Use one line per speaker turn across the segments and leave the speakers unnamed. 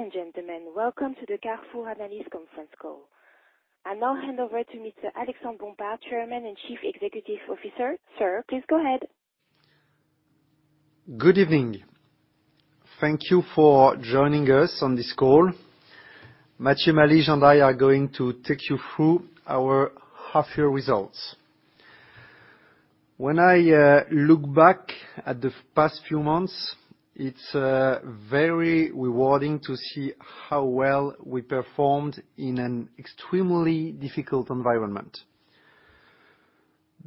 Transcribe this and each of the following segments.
Ladies and gentlemen, welcome to the Carrefour Analyst Conference Call. I now hand over to Mr. Alexandre Bompard, Chairman and Chief Executive Officer. Sir, please go ahead.
Good evening. Thank you for joining us on this call. Matthieu Malige and I are going to take you through our half-year results. When I look back at the past few months, it's very rewarding to see how well we performed in an extremely difficult environment.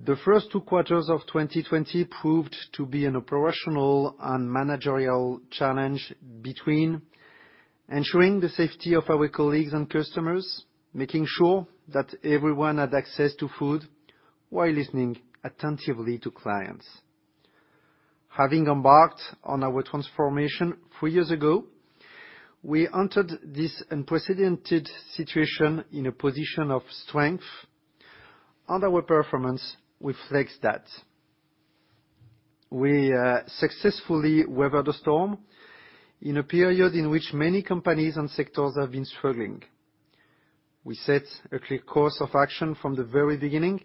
The first two quarters of 2020 proved to be an operational and managerial challenge between ensuring the safety of our colleagues and customers, making sure that everyone had access to food while listening attentively to clients. Having embarked on our transformation four years ago, we entered this unprecedented situation in a position of strength, and our performance reflects that. We successfully weathered the storm in a period in which many companies and sectors have been struggling. We set a clear course of action from the very beginning.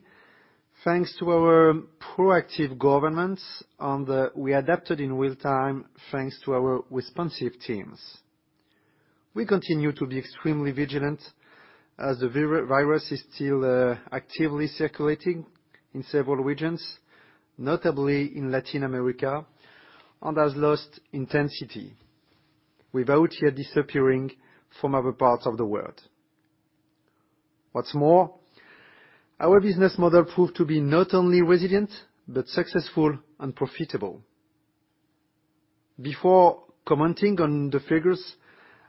Thanks to our proactive governance, and we adapted in real-time, thanks to our responsive teams. We continue to be extremely vigilant as the virus is still actively circulating in several regions, notably in Latin America, and has lost intensity, without yet disappearing from other parts of the world. What's more, our business model proved to be not only resilient but successful and profitable. Before commenting on the figures,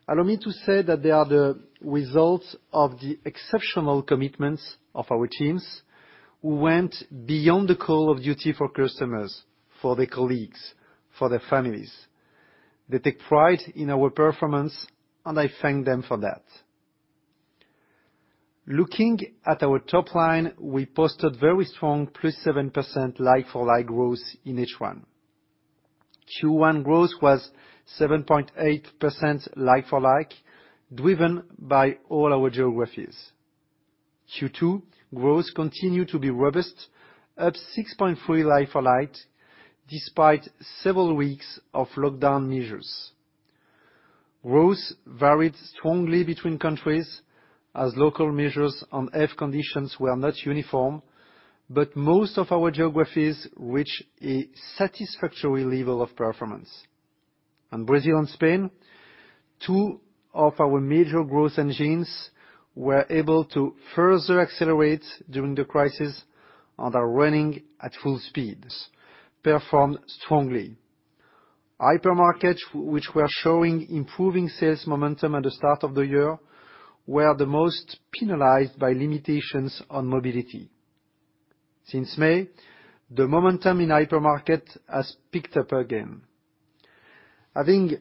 allow me to say that they are the results of the exceptional commitments of our teams, who went beyond the call of duty for customers, for their colleagues, for their families. They take pride in our performance, and I thank them for that. Looking at our top line, we posted very strong, +7% like-for-like growth in H1. Q1 growth was 7.8% like-for-like, driven by all our geographies. Q2 growth continued to be robust, up 6.3% like-for-like despite several weeks of lockdown measures. Growth varied strongly between countries as local measures and health conditions were not uniform, but most of our geographies reached a satisfactory level of performance. In Brazil and Spain, two of our major growth engines were able to further accelerate during the crisis and are running at full speeds, performed strongly. Hypermarkets, which were showing improving sales momentum at the start of the year, were the most penalized by limitations on mobility. Since May, the momentum in hypermarket has picked up again. Having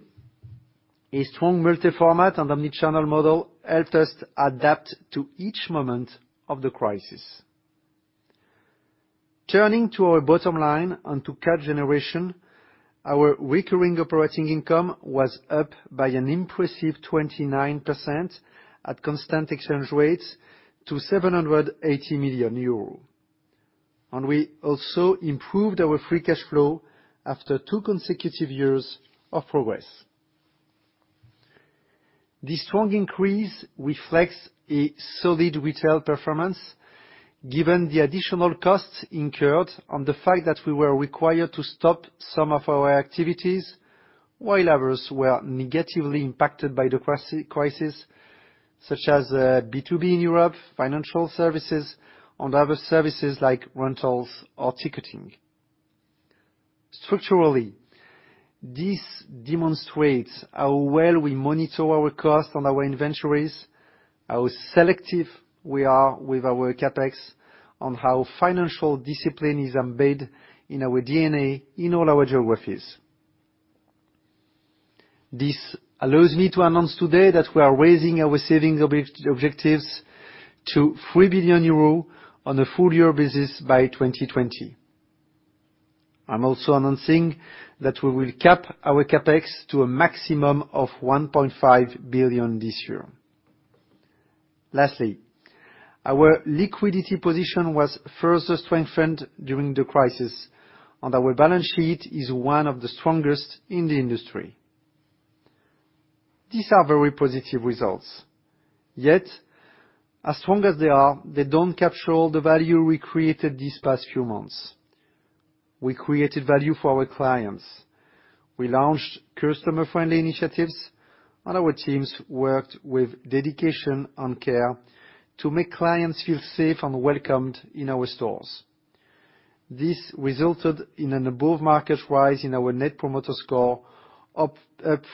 a strong multi-format and omnichannel model helped us adapt to each moment of the crisis. Turning to our bottom line and to cash generation, our recurring operating income was up by an impressive 29% at constant exchange rates to 780 million euros. We also improved our free cash flow after two consecutive years of progress. This strong increase reflects a solid retail performance given the additional costs incurred and the fact that we were required to stop some of our activities, while others were negatively impacted by the crisis, such as B2B in Europe, financial services, and other services like rentals or ticketing. Structurally, this demonstrates how well we monitor our costs and our inventories, how selective we are with our CapEx, and how financial discipline is embedded in our DNA in all our geographies. This allows me to announce today that we are raising our savings objectives to 3 billion euro on a full-year basis by 2020. I'm also announcing that we will cap our CapEx to a maximum of 1.5 billion this year. Lastly, our liquidity position was further strengthened during the crisis, and our balance sheet is one of the strongest in the industry. These are very positive results. Yet as strong as they are, they don't capture all the value we created these past few months. We created value for our clients. We launched customer-friendly initiatives, and our teams worked with dedication and care to make clients feel safe and welcomed in our stores. This resulted in an above-market rise in our Net Promoter Score, up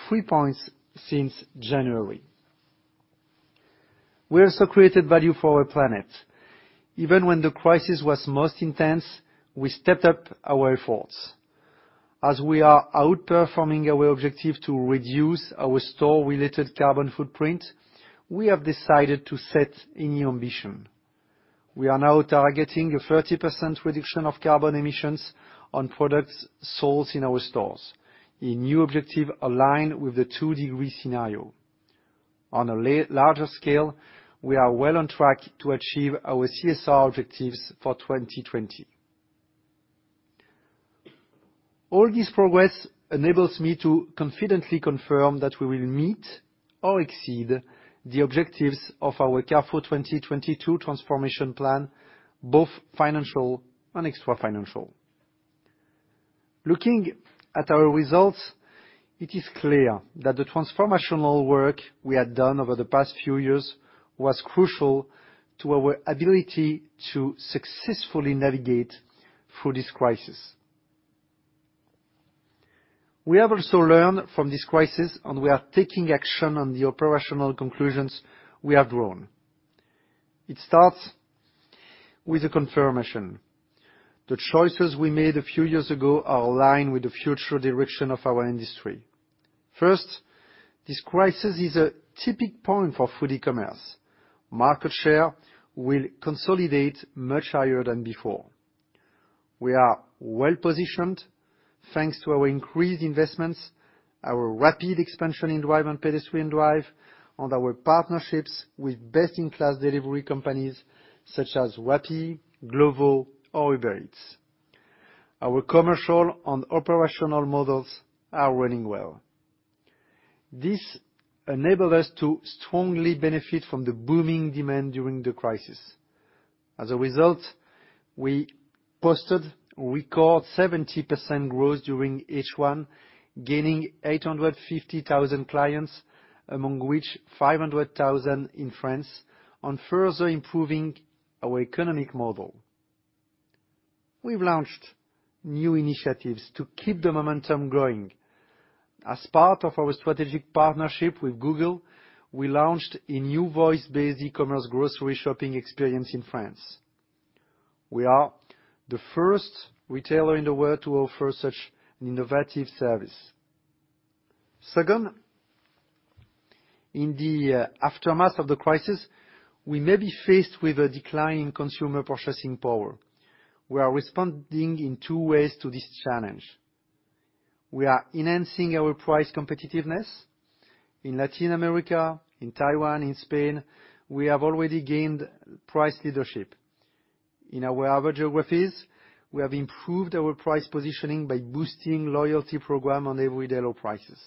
three points since January. We also created value for our planet. Even when the crisis was most intense, we stepped up our efforts. As we are outperforming our objective to reduce our store-related carbon footprint, we have decided to set a new ambition. We are now targeting a 30% reduction of carbon emissions on products sold in our stores. A new objective aligned with the two-degree scenario. On a larger scale, we are well on track to achieve our CSR objectives for 2020. All this progress enables me to confidently confirm that we will meet or exceed the objectives of our Carrefour 2022 transformation plan, both financial and extra-financial. Looking at our results, it is clear that the transformational work we had done over the past few years was crucial to our ability to successfully navigate through this crisis. We have also learned from this crisis, and we are taking action on the operational conclusions we have drawn. It starts with a confirmation. The choices we made a few years ago are aligned with the future direction of our industry. First, this crisis is a tipping point for food e-commerce. Market share will consolidate much higher than before. We are well-positioned thanks to our increased investments, our rapid expansion in drive and pedestrian drive, and our partnerships with best-in-class delivery companies such as Wabi, Glovo, or Uber Eats. Our commercial and operational models are running well. This enabled us to strongly benefit from the booming demand during the crisis. As a result, we posted record 70% growth during H1, gaining 850,000 clients, among which 500,000 in France, and further improving our economic model. We've launched new initiatives to keep the momentum growing. As part of our strategic partnership with Google, we launched a new voice-based e-commerce grocery shopping experience in France. We are the first retailer in the world to offer such an innovative service. Second, in the aftermath of the crisis, we may be faced with a decline in consumer purchasing power. We are responding in two ways to this challenge. We are enhancing our price competitiveness. In Latin America, in Taiwan, in Spain, we have already gained price leadership. In our other geographies, we have improved our price positioning by boosting loyalty program on everyday low prices.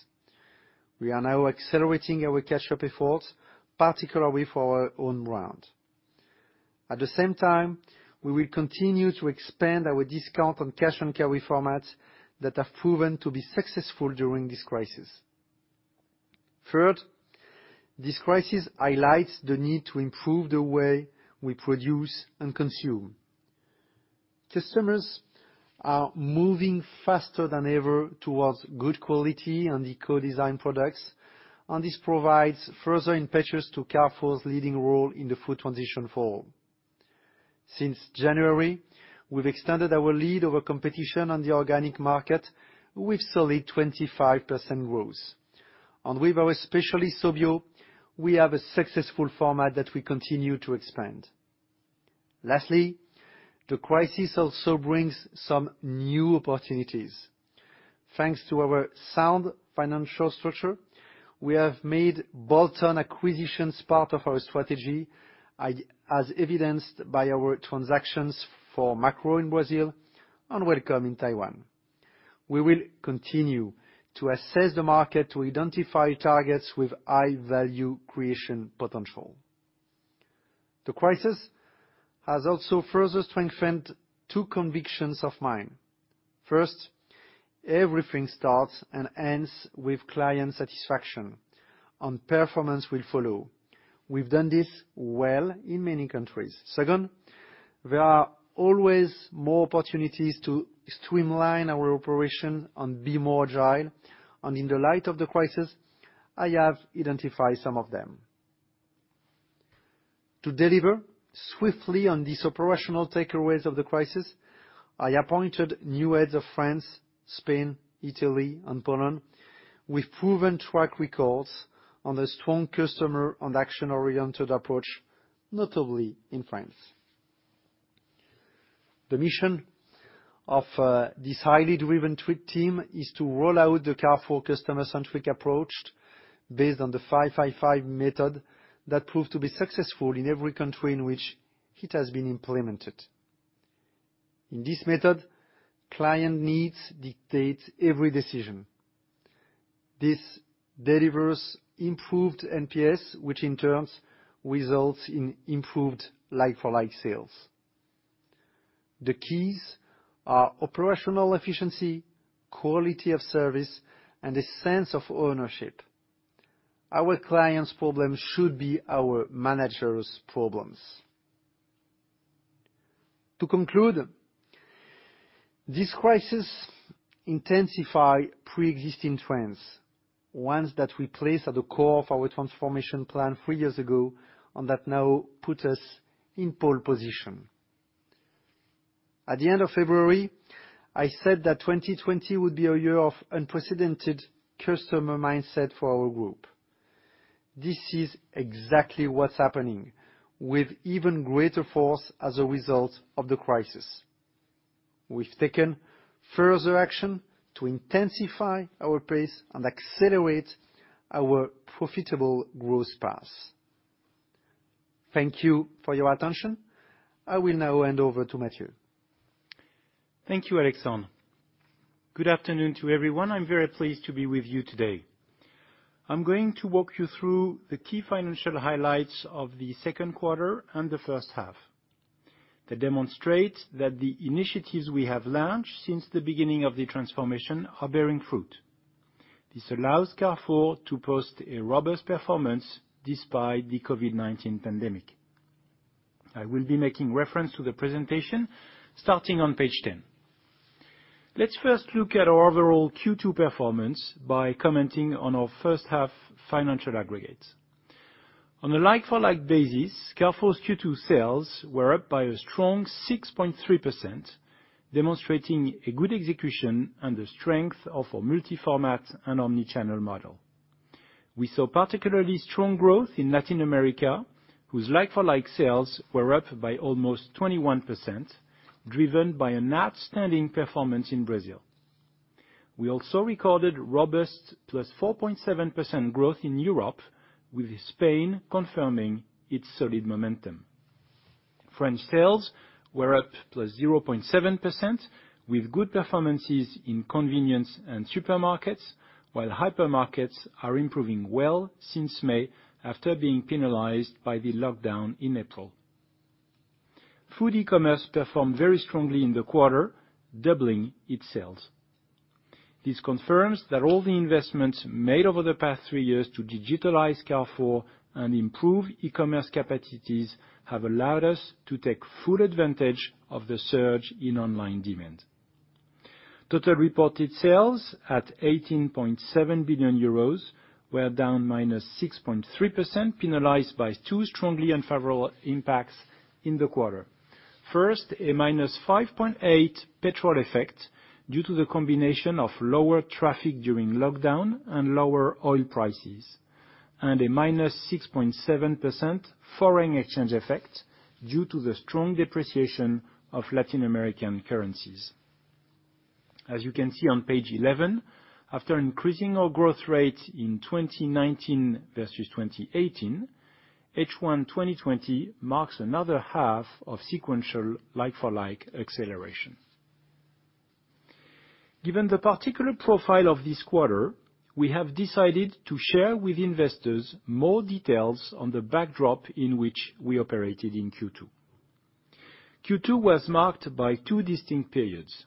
We are now accelerating our catch-up efforts, particularly for our own brand. At the same time, we will continue to expand our discount on cash-and-carry formats that have proven to be successful during this crisis. Third, this crisis highlights the need to improve the way we produce and consume. Customers are moving faster than ever towards good quality and eco-designed products, and this provides further impetus to Carrefour's leading role in the food transition forward. Since January, we've extended our lead over competition in the organic market with solid 25% growth. With our specialist, So.bio, we have a successful format that we continue to expand. Lastly, the crisis also brings some new opportunities. Thanks to our sound financial structure, we have made bolt-on acquisitions part of our strategy, as evidenced by our transactions for Makro in Brazil and Wellcome in Taiwan. We will continue to assess the market to identify targets with high value creation potential. The crisis has also further strengthened two convictions of mine. First, everything starts and ends with client satisfaction, and performance will follow. We've done this well in many countries. Second, there are always more opportunities to streamline our operation and be more agile. In the light of the crisis, I have identified some of them. To deliver swiftly on these operational takeaways of the crisis, I appointed new heads of France, Spain, Italy, and Poland with proven track records and a strong customer and action-oriented approach, notably in France. The mission of this highly driven team is to roll out the Carrefour customer-centric approach based on the 5/5/5 method that proved to be successful in every country in which it has been implemented. In this method, client needs dictate every decision. This delivers improved NPS, which in turn results in improved like-for-like sales. The keys are operational efficiency, quality of service, and a sense of ownership. Our clients' problems should be our managers' problems. To conclude, this crisis intensified preexisting trends, ones that we placed at the core of our transformation plan three years ago and that now put us in pole position. At the end of February, I said that 2020 would be a year of unprecedented customer mindset for our group. This is exactly what's happening with even greater force as a result of the crisis. We've taken further action to intensify our pace and accelerate our profitable growth paths. Thank you for your attention. I will now hand over to Matthieu.
Thank you, Alexandre. Good afternoon to everyone. I'm very pleased to be with you today. I'm going to walk you through the key financial highlights of the second quarter and the first half that demonstrate that the initiatives we have launched since the beginning of the transformation are bearing fruit. This allows Carrefour to post a robust performance despite the COVID-19 pandemic. I will be making reference to the presentation starting on page 10. Let's first look at our overall Q2 performance by commenting on our first half financial aggregates. On a like-for-like basis, Carrefour's Q2 sales were up by a strong 6.3%, demonstrating a good execution and the strength of a multi-format and omnichannel model. We saw particularly strong growth in Latin America, whose like-for-like sales were up by almost 21%, driven by an outstanding performance in Brazil. We also recorded robust +4.7% growth in Europe, with Spain confirming its solid momentum. French sales were up +0.7%, with good performances in convenience and supermarkets, while hypermarkets are improving well since May after being penalized by the lockdown in April. Food e-commerce performed very strongly in the quarter, doubling its sales. This confirms that all the investments made over the past three years to digitalize Carrefour and improve e-commerce capacities have allowed us to take full advantage of the surge in online demand. Total reported sales at 18.7 billion euros were down -6.3%, penalized by two strongly unfavorable impacts in the quarter. First, a -5.8% petrol effect due to the combination of lower traffic during lockdown and lower oil prices, and a -6.7% foreign exchange effect due to the strong depreciation of Latin American currencies. As you can see on page 11, after increasing our growth rate in 2019 versus 2018, H1 2020 marks another half of sequential like-for-like acceleration. Given the particular profile of this quarter, we have decided to share with investors more details on the backdrop in which we operated in Q2. Q2 was marked by two distinct periods.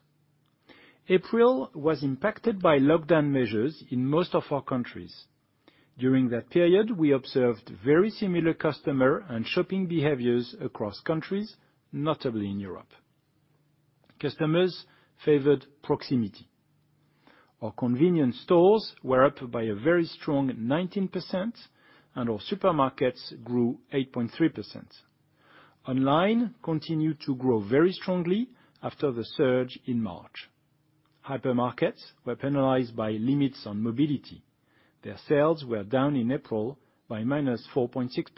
April was impacted by lockdown measures in most of our countries. During that period, we observed very similar customer and shopping behaviors across countries, notably in Europe. Customers favored proximity. Our convenience stores were up by a very strong 19%. Our supermarkets grew 8.3%. Online continued to grow very strongly after the surge in March. Hypermarkets were penalized by limits on mobility. Their sales were down in April by -4.6%.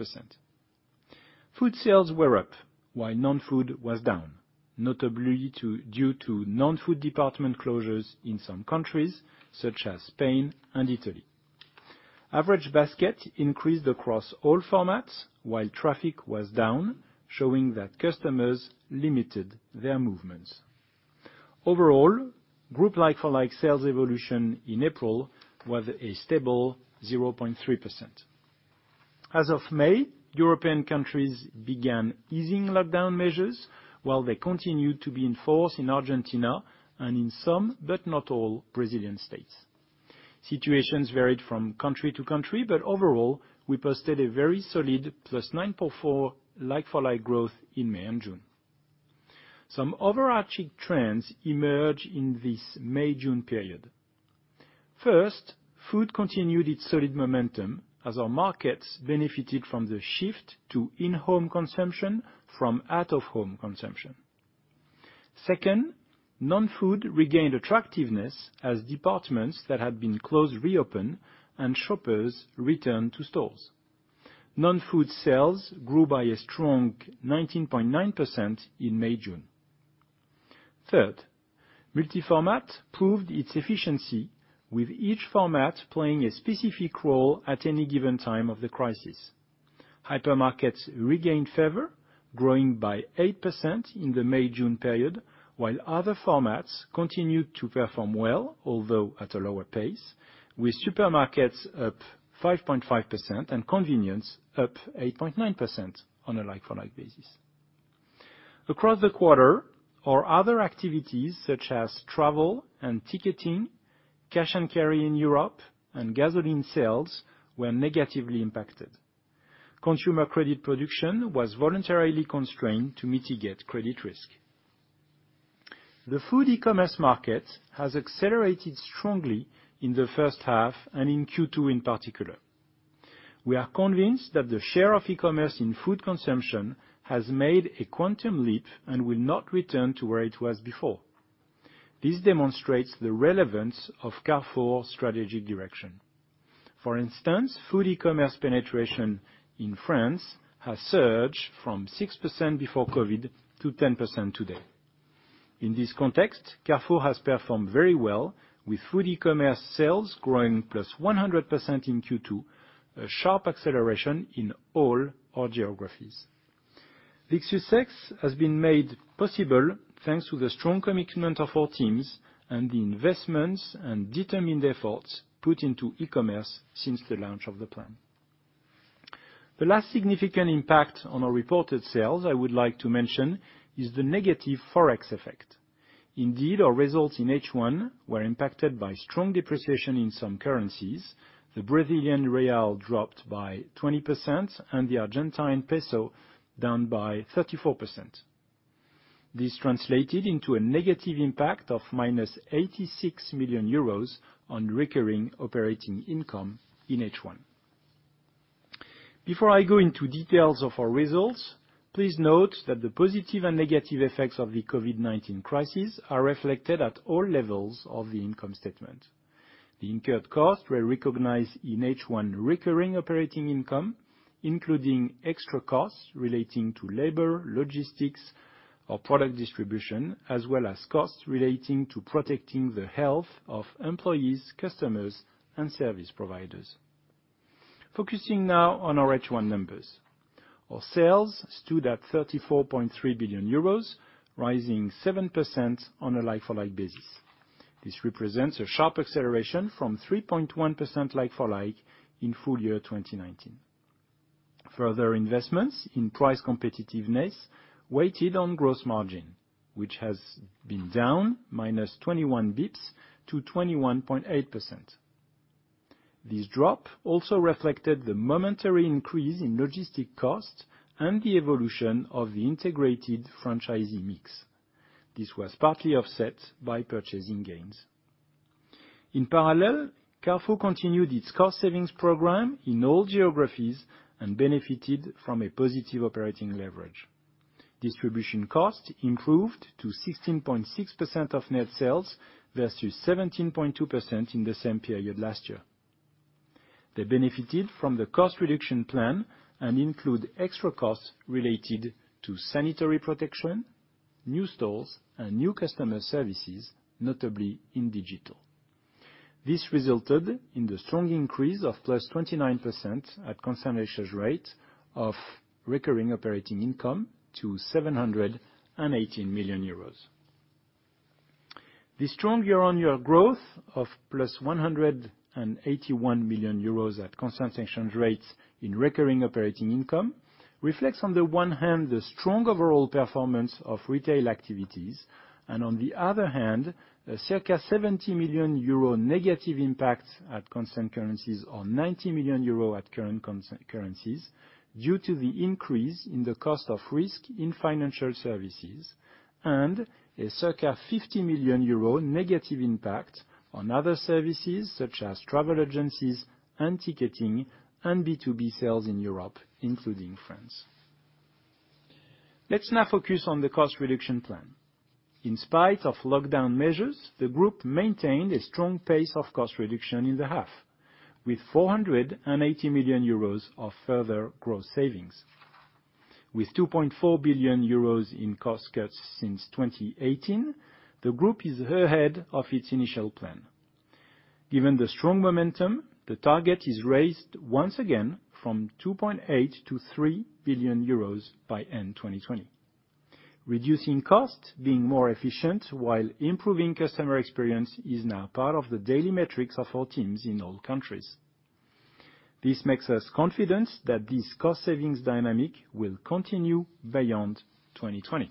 Food sales were up while non-food was down, notably due to non-food department closures in some countries, such as Spain and Italy. Average basket increased across all formats while traffic was down, showing that customers limited their movements. Overall, group like-for-like sales evolution in April was a stable 0.3%. As of May, European countries began easing lockdown measures while they continued to be in force in Argentina and in some, but not all, Brazilian states. Situations varied from country to country, but overall, we posted a very solid +9.4% like-for-like growth in May and June. Some overarching trends emerge in this May, June period. First, food continued its solid momentum as our markets benefited from the shift to in-home consumption from out-of-home consumption. Second, non-food regained attractiveness as departments that had been closed, reopened, and shoppers returned to stores. Non-food sales grew by a strong 19.9% in May, June. Third, multi-format proved its efficiency, with each format playing a specific role at any given time of the crisis. Hypermarkets regained favor, growing by 8% in the May, June period, while other formats continued to perform well, although at a lower pace, with supermarkets up 5.5% and convenience up 8.9% on a like-for-like basis. Across the quarter, our other activities such as travel and ticketing, cash-and-carry in Europe and gasoline sales were negatively impacted. Consumer credit production was voluntarily constrained to mitigate credit risk. The food e-commerce market has accelerated strongly in the first half and in Q2 in particular. We are convinced that the share of e-commerce in food consumption has made a quantum leap and will not return to where it was before. This demonstrates the relevance of Carrefour's strategic direction. For instance, food e-commerce penetration in France has surged from 6% before COVID to 10% today. In this context, Carrefour has performed very well with food e-commerce sales growing +100% in Q2, a sharp acceleration in all our geographies. This success has been made possible thanks to the strong commitment of our teams and the investments and determined efforts put into e-commerce since the launch of the plan. The last significant impact on our reported sales I would like to mention is the negative Forex effect. Indeed, our results in H1 were impacted by strong depreciation in some currencies. The Brazilian real dropped by 20% and the Argentine peso down by 34%. This translated into a negative impact of 86 million euros on recurring operating income in H1. Before I go into details of our results, please note that the positive and negative effects of the COVID-19 crisis are reflected at all levels of the income statement. The incurred costs were recognized in H1 recurring operating income, including extra costs relating to labor, logistics, or product distribution, as well as costs relating to protecting the health of employees, customers, and service providers. Focusing now on our H1 numbers. Our sales stood at 34.3 billion euros, rising 7% on a like-for-like basis. This represents a sharp acceleration from 3.1% like-for-like in full year 2019. Further investments in price competitiveness weighted on gross margin, which has been down -21 basis points to 21.8%. This drop also reflected the momentary increase in logistic costs and the evolution of the integrated franchisee mix. This was partly offset by purchasing gains. In parallel, Carrefour continued its cost savings program in all geographies and benefited from a positive operating leverage. Distribution costs improved to 16.6% of net sales versus 17.2% in the same period last year. They benefited from the cost reduction plan and include extra costs related to sanitary protection, new stores, and new customer services, notably in digital. This resulted in the strong increase of +29% at constant exchange rate of recurring operating income to 718 million euros. The strong year-over-year growth of +181 million euros at constant exchange rates in recurring operating income reflects on the one hand, the strong overall performance of retail activities and on the other hand, a circa 70 million euro negative impact at constant currencies or 90 million euro at current currencies due to the increase in the cost of risk in financial services and a circa 50 million euro negative impact on other services such as travel agencies and ticketing and B2B sales in Europe, including France. Let's now focus on the cost reduction plan. In spite of lockdown measures, the group maintained a strong pace of cost reduction in the half with 480 million euros of further gross savings. With 2.4 billion euros in cost cuts since 2018, the group is ahead of its initial plan. Given the strong momentum, the target is raised once again from 2.8 billion to 3 billion euros by end 2020. Reducing costs, being more efficient while improving customer experience is now part of the daily metrics of our teams in all countries. This makes us confident that this cost savings dynamic will continue beyond 2020.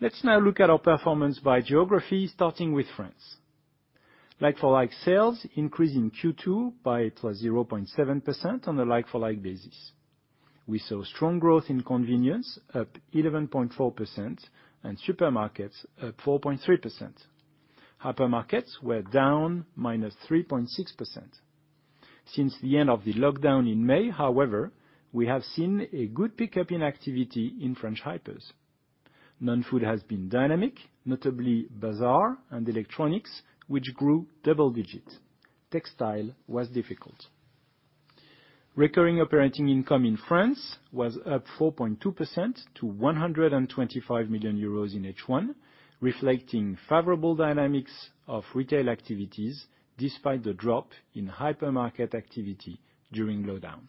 Let's now look at our performance by geography, starting with France. Like-for-like sales increased in Q2 by +0.7% on a like-for-like basis. We saw strong growth in convenience up 11.4% and supermarkets up 4.3%. Hypermarkets were down -3.6%. Since the end of the lockdown in May, however, we have seen a good pickup in activity in French hypers. Non-food has been dynamic, notably bazaar and electronics, which grew double digits. Textile was difficult. Recurring operating income in France was up 4.2% to 125 million euros in H1, reflecting favorable dynamics of retail activities despite the drop in hypermarket activity during lockdown.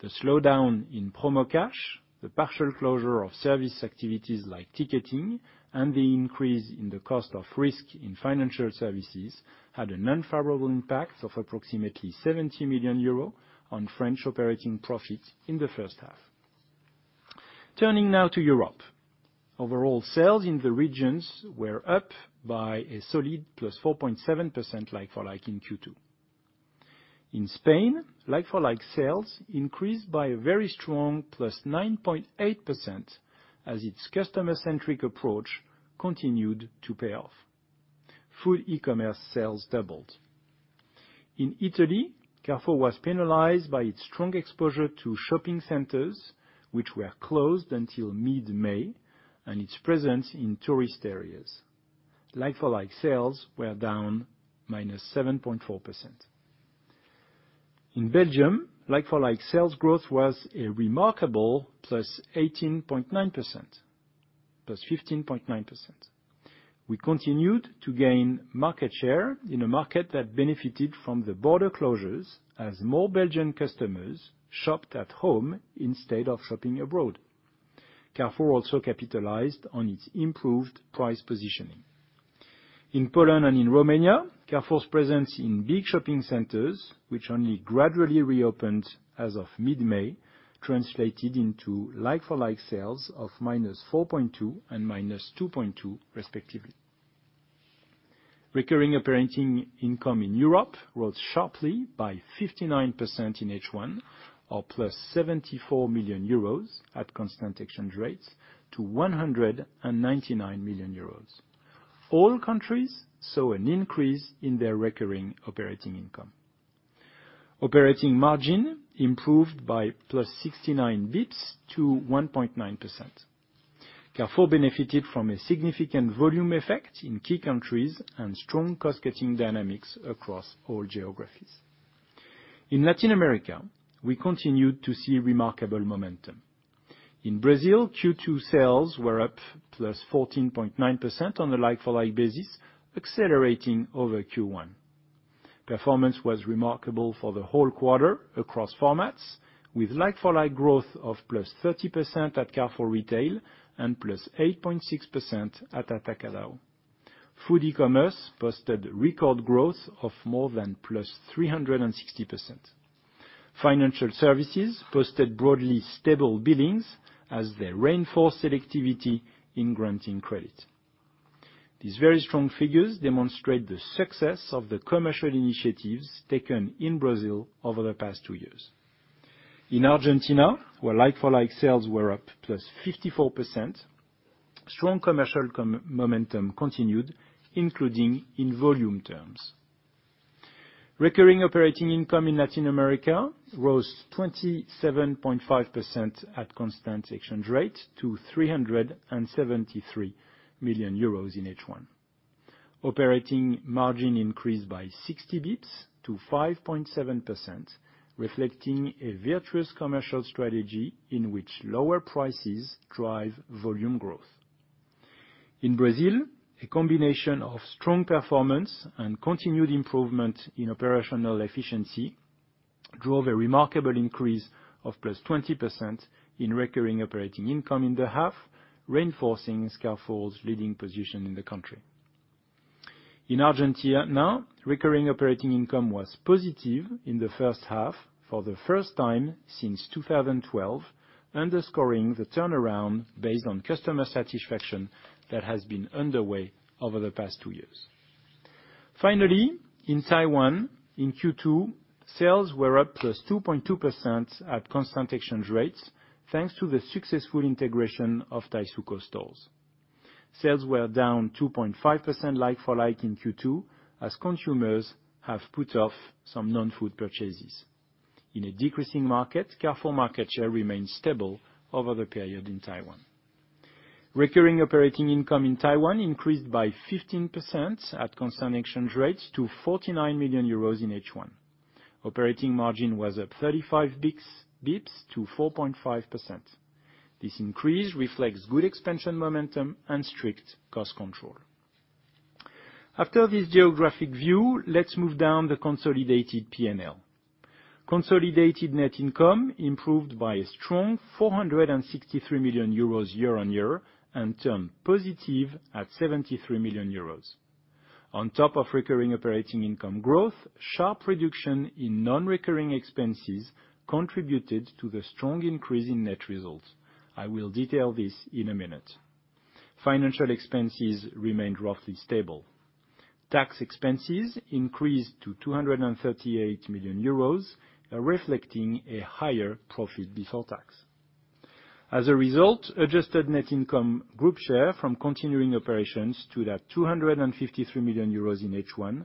The slowdown in Promocash, the partial closure of service activities like ticketing, and the increase in the cost of risk in financial services had an unfavorable impact of approximately 70 million euros on French operating profits in the first half. Turning now to Europe. Overall sales in the regions were up by a solid +4.7% like-for-like in Q2. In Spain, like-for-like sales increased by a very strong +9.8% as its customer-centric approach continued to pay off. Food e-commerce sales doubled. In Italy, Carrefour was penalized by its strong exposure to shopping centers, which were closed until mid-May, and its presence in tourist areas. Like-for-like sales were down -7.4%. In Belgium, like-for-like sales growth was a remarkable +18.9%, +15.9%. We continued to gain market share in a market that benefited from the border closures as more Belgian customers shopped at home instead of shopping abroad. Carrefour also capitalized on its improved price positioning. In Poland and in Romania, Carrefour's presence in big shopping centers, which only gradually reopened as of mid-May, translated into like-for-like sales of -4.2% and -2.2% respectively. Recurring operating income in Europe rose sharply by 59% in H1, or 74 million euros at constant exchange rates to 199 million euros. All countries saw an increase in their recurring operating income. Operating margin improved by +69 basis points to 1.9%. Carrefour benefited from a significant volume effect in key countries and strong cost-cutting dynamics across all geographies. In Latin America, we continued to see remarkable momentum. In Brazil, Q2 sales were up +14.9% on a like-for-like basis, accelerating over Q1. Performance was remarkable for the whole quarter across formats, with like-for-like growth of +30% at Carrefour Retail and +8.6% at Atacadão. Food e-commerce posted record growth of more than +360%. Financial services posted broadly stable billings as they reinforced selectivity in granting credit. These very strong figures demonstrate the success of the commercial initiatives taken in Brazil over the past two years. In Argentina, where like-for-like sales were up +54%, strong commercial momentum continued, including in volume terms. Recurring operating income in Latin America rose 27.5% at constant exchange rate to 373 million euros in H1. Operating margin increased by 60 basis points to 5.7%, reflecting a virtuous commercial strategy in which lower prices drive volume growth. In Brazil, a combination of strong performance and continued improvement in operational efficiency drove a remarkable increase of +20% in recurring operating income in the half, reinforcing Carrefour's leading position in the country. In Argentina, recurring operating income was positive in the first half for the first time since 2012, underscoring the turnaround based on customer satisfaction that has been underway over the past two years. In Taiwan, in Q2, sales were up +2.2% at constant exchange rates thanks to the successful integration of Taisuco stores. Sales were down 2.5% like-for-like in Q2 as consumers have put off some non-food purchases. In a decreasing market, Carrefour market share remained stable over the period in Taiwan. Recurring operating income in Taiwan increased by 15% at constant exchange rates to 49 million euros in H1. Operating margin was up 35 basis points to 4.5%. This increase reflects good expansion momentum and strict cost control. After this geographic view, let's move down the consolidated P&L. Consolidated net income improved by a strong 463 million euros year-over-year and turned positive at 73 million euros. On top of recurring operating income growth, sharp reduction in non-recurring expenses contributed to the strong increase in net results. I will detail this in a minute. Financial expenses remained roughly stable. Tax expenses increased to 238 million euros, reflecting a higher profit before tax. As a result, adjusted net income group share from continuing operations stood at 253 million euros in H1,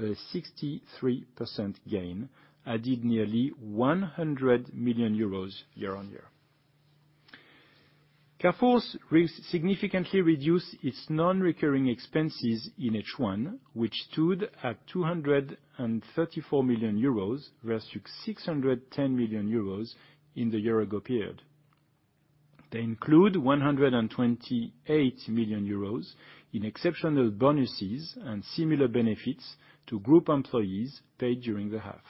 a 63% gain, added nearly 100 million euros year-over-year. Carrefour significantly reduced its non-recurring expenses in H1, which stood at 234 million euros versus 610 million euros in the year-ago period. They include 128 million euros in exceptional bonuses and similar benefits to group employees paid during the half.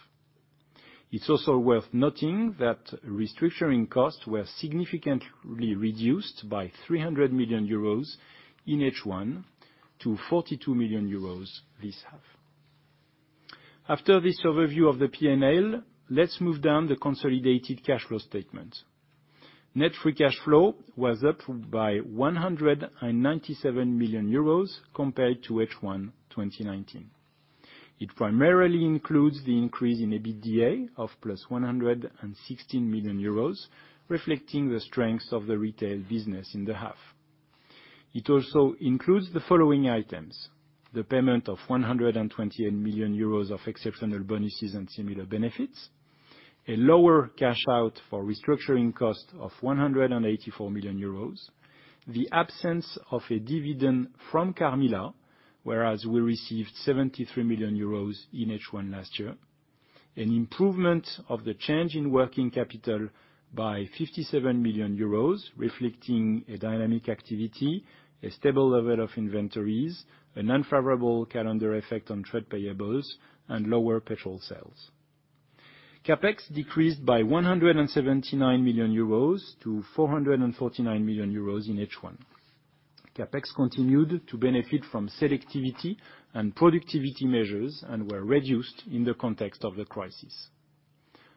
It's also worth noting that restructuring costs were significantly reduced by 300 million euros in H1 to 42 million euros this half. After this overview of the P&L, let's move down the consolidated cash flow statement. Net free cash flow was up by 197 million euros compared to H1 2019. It primarily includes the increase in EBITDA of plus 116 million euros, reflecting the strength of the retail business in the half. It also includes the following items: the payment of 128 million euros of exceptional bonuses and similar benefits, a lower cash out for restructuring cost of 184 million euros, the absence of a dividend from Carmila whereas we received 73 million euros in H1 last year, an improvement of the change in working capital by 57 million euros, reflecting a dynamic activity, a stable level of inventories, an unfavorable calendar effect on trade payables, and lower petrol sales. CapEx decreased by 179 million euros to 449 million euros in H1. CapEx continued to benefit from selectivity and productivity measures and were reduced in the context of the crisis.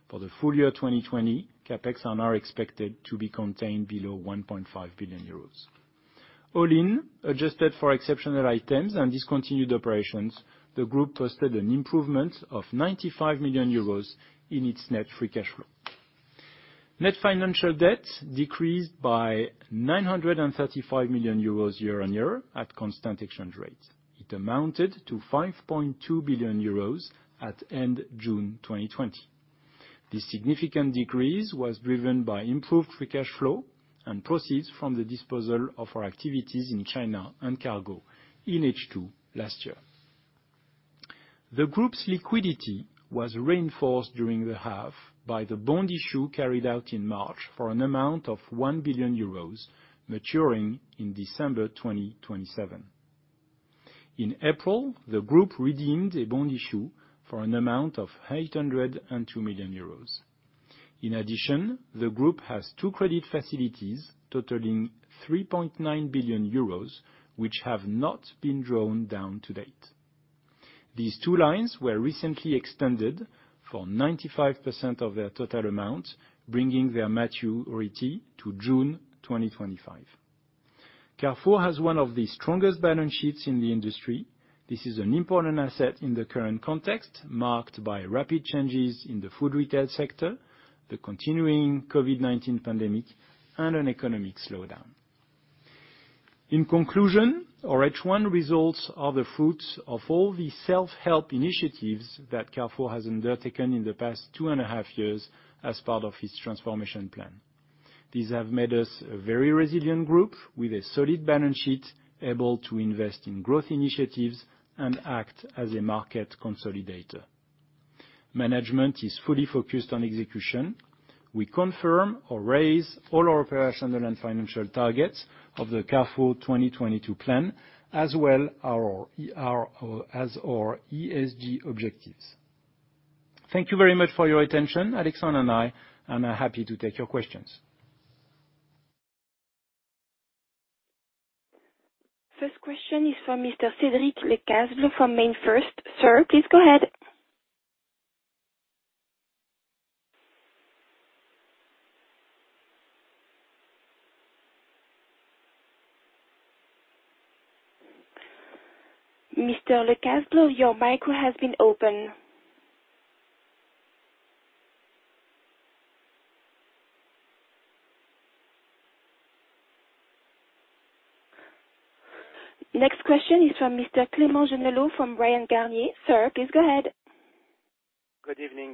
For the full year 2020, CapEx are now expected to be contained below 1.5 billion euros. All in, adjusted for exceptional items and discontinued operations, the group posted an improvement of 95 million euros in its net free cash flow. Net financial debt decreased by 935 million euros year-on-year at constant exchange rates. It amounted to 5.2 billion euros at end June 2020. This significant decrease was driven by improved free cash flow and proceeds from the disposal of our activities in China and Cargo in H2 last year. The group's liquidity was reinforced during the half by the bond issue carried out in March for an amount of 1 billion euros maturing in December 2027. In April, the group redeemed a bond issue for an amount of 802 million euros. In addition, the group has two credit facilities totaling 3.9 billion euros, which have not been drawn down to date. These two lines were recently extended for 95% of their total amount, bringing their maturity to June 2025. Carrefour has one of the strongest balance sheets in the industry. This is an important asset in the current context, marked by rapid changes in the food retail sector, the continuing COVID-19 pandemic, and an economic slowdown. In conclusion, our H1 results are the fruits of all the self-help initiatives that Carrefour has undertaken in the past two and a half years as part of its transformation plan. These have made us a very resilient group with a solid balance sheet, able to invest in growth initiatives and act as a market consolidator. Management is fully focused on execution. We confirm or raise all our operational and financial targets of the Carrefour 2022 plan, as well as our ESG objectives. Thank you very much for your attention. Alexandre and I are now happy to take your questions.
First question is from Mr. Cédric Lecasble from MainFirst. Sir, please go ahead. Mr. Lecasble, your micro has been opened. Next question is from Mr. Clément Genelot from Bryan, Garnier & Co. Sir, please go ahead.
Good evening,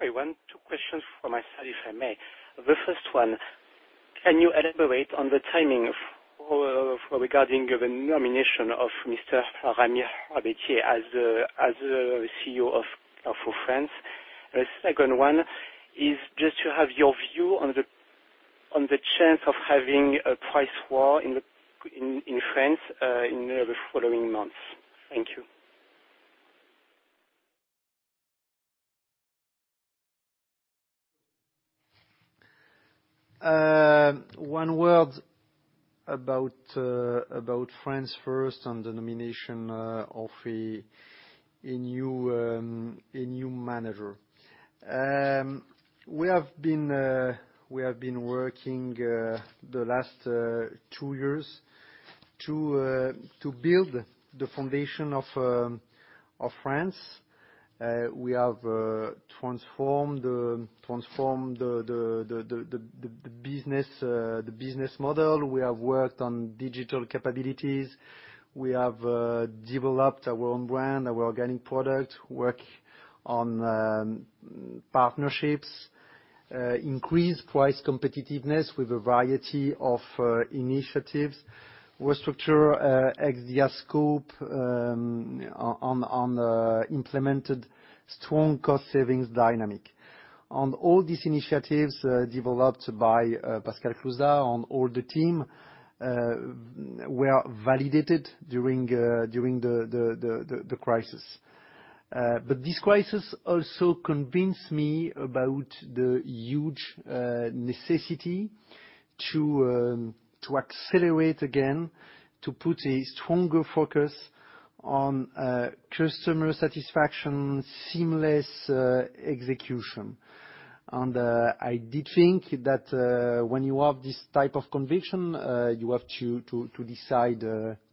everyone. Two questions from my side, if I may. The first one, can you elaborate on the timing regarding the nomination of Mr. Rami Baitiéh as the CEO of Carrefour France? Second one is just to have your view on the chance of having a price war in France in the following months. Thank you.
One word about France first and the nomination of a new manager. We have been working the last two years to build the foundation of France. We have transformed the business model. We have worked on digital capabilities. We have developed our own brand, our organic product, work on partnerships, increased price competitiveness with a variety of initiatives, restructured ex-Dia's scope on implemented strong cost savings dynamic. All these initiatives developed by Pascal Clouzard and all the team were validated during the crisis. This crisis also convinced me about the huge necessity to accelerate again, to put a stronger focus on customer satisfaction, seamless execution. I did think that when you have this type of conviction, you have to decide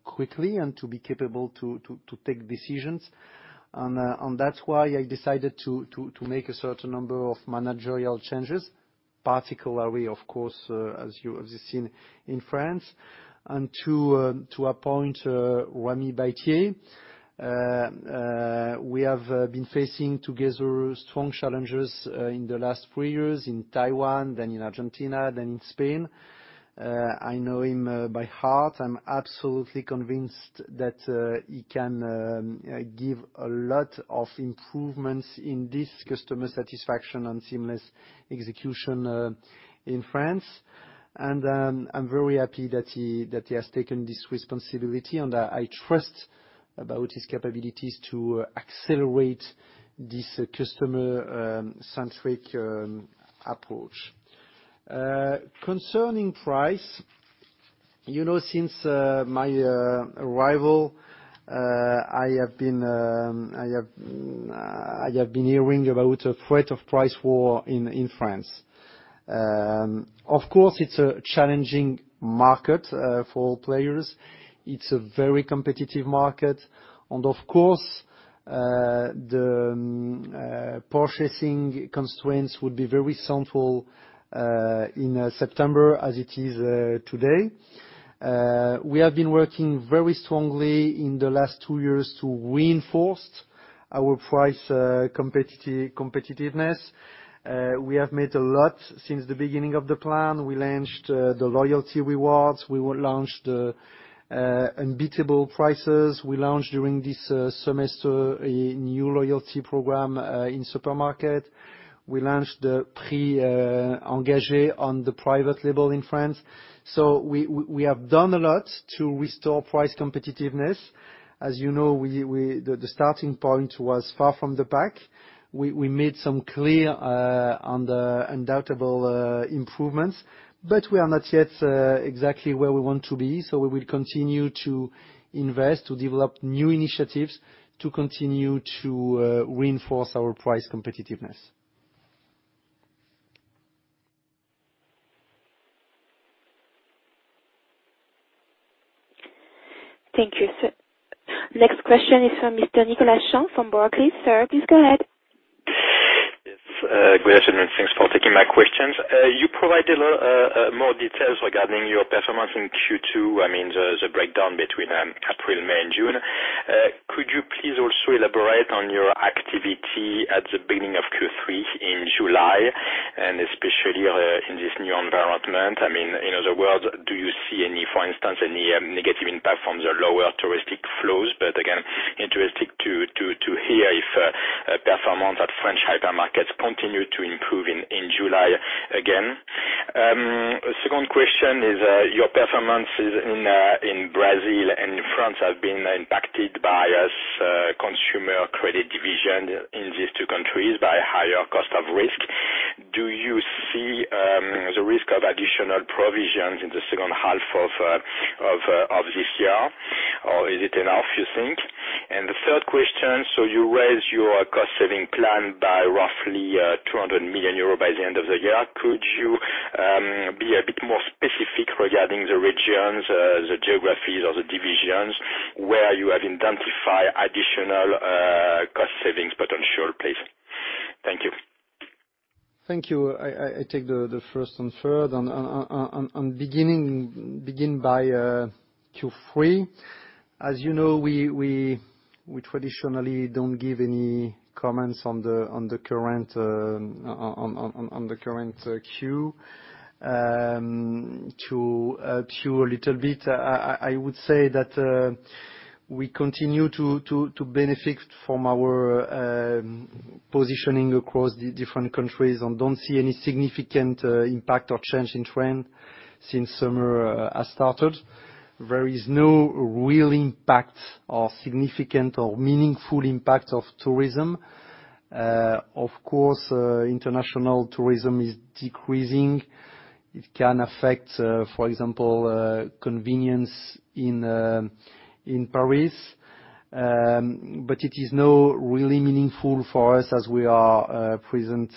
quickly and to be capable to take decisions. That's why I decided to make a certain number of managerial changes. Particularly, of course, as you have just seen in France, and to appoint Rami Baitiéh. We have been facing together strong challenges in the last three years in Taiwan, then in Argentina, then in Spain. I know him by heart. I'm absolutely convinced that he can give a lot of improvements in this customer satisfaction and seamless execution in France. I'm very happy that he has taken this responsibility, and I trust about his capabilities to accelerate this customer-centric approach. Concerning price, since my arrival, I have been hearing about a threat of price war in France. Of course, it's a challenging market for all players. It's a very competitive market. Of course, the purchasing constraints would be very central in September as it is today. We have been working very strongly in the last two years to reinforce our price competitiveness. We have made a lot since the beginning of the plan. We launched the loyalty rewards. We launched Unbeatable Prices. We launched, during this semester, a new loyalty program in supermarket. We launched the Prix engagés on the private label in France. We have done a lot to restore price competitiveness. As you know, the starting point was far from the pack. We made some clear and undoubtable improvements. We are not yet exactly where we want to be. We will continue to invest, to develop new initiatives, to continue to reinforce our price competitiveness.
Thank you, sir. Next question is from Mr. Nicolas Champ from Barclays. Sir, please go ahead.
Yes, good afternoon. Thanks for taking my questions. You provided a lot more details regarding your performance in Q2, the breakdown between April, May and June. Could you please also elaborate on your activity at the beginning of Q3 in July, and especially in this new environment? In other words, do you see, for instance, any negative impact from the lower touristic flows? Again, interesting to hear if performance at French hypermarkets continued to improve in July again. Second question is, your performances in Brazil and in France have been impacted by consumer credit provisions in these two countries by higher cost of risk. Do you see the risk of additional provisions in the second half of this year, or is it enough, you think? The third question, you raise your cost-saving plan by roughly 200 million euro by the end of the year. Could you be a bit more specific regarding the regions, the geographies or the divisions where you have identified additional cost savings potential, please? Thank you.
Thank you. I take the first and third, and begin by Q3. As you know, we traditionally don't give any comments on the current Q. To add a little bit, I would say that we continue to benefit from our positioning across the different countries and don't see any significant impact or change in trend since summer has started. There is no real impact or significant or meaningful impact of tourism. Of course, international tourism is decreasing. It can affect, for example, convenience in Paris. It is not really meaningful for us as we are present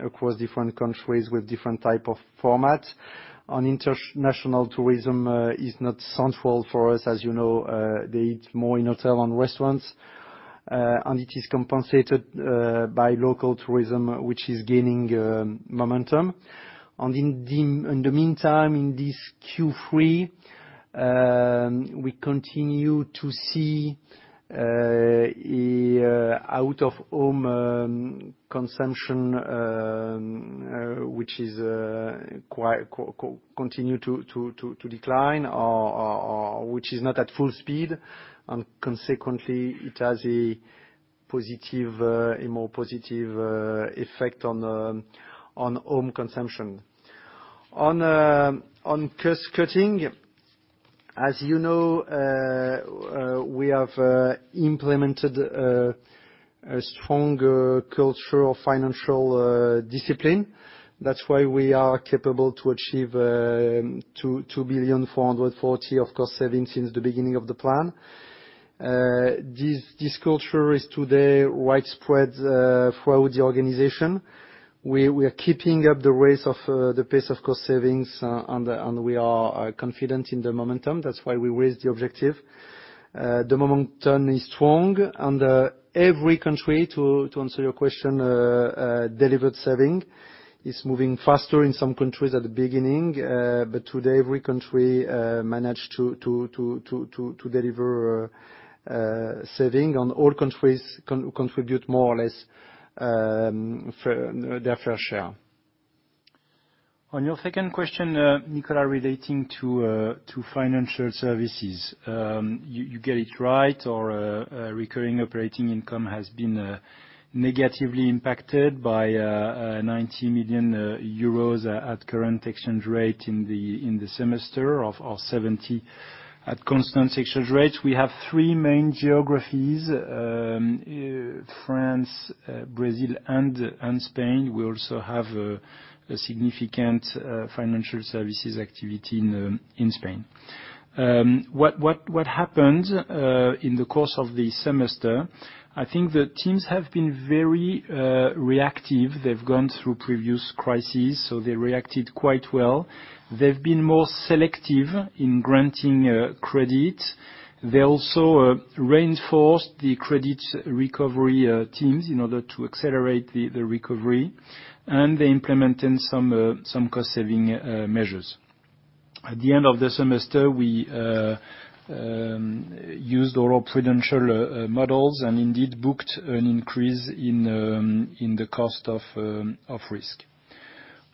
across different countries with different type of format. International tourism is not central for us. As you know, they eat more in hotel and restaurants. It is compensated by local tourism, which is gaining momentum. In the meantime, in this Q3, we continue to see out-of-home consumption which continue to decline, or which is not at full speed. Consequently, it has a more positive effect on home consumption. On cost cutting, as you know, we have implemented a strong culture of financial discipline. That's why we are capable to achieve 2.4 billion of cost savings since the beginning of the plan. This culture is today widespread throughout the organization. We are keeping up the pace of cost savings, we are confident in the momentum. That's why we raised the objective. The momentum is strong, every country, to answer your question, delivered saving. It's moving faster in some countries at the beginning, today, every country managed to deliver a saving, all countries contribute more or less their fair share.
On your second question, Nicolas, relating to financial services. You get it right, our recurring operating income has been negatively impacted by 90 million euros at current exchange rate in the semester of 70 million at constant exchange rates. We have three main geographies, France, Brazil, and Spain. We also have a significant financial services activity in Spain. What happened in the course of the semester, I think the teams have been very reactive. They've gone through previous crises, so they reacted quite well. They also reinforced the credit recovery teams in order to accelerate the recovery, and they implemented some cost-saving measures. At the end of the semester, we used our prudential models and indeed booked an increase in the cost of risk.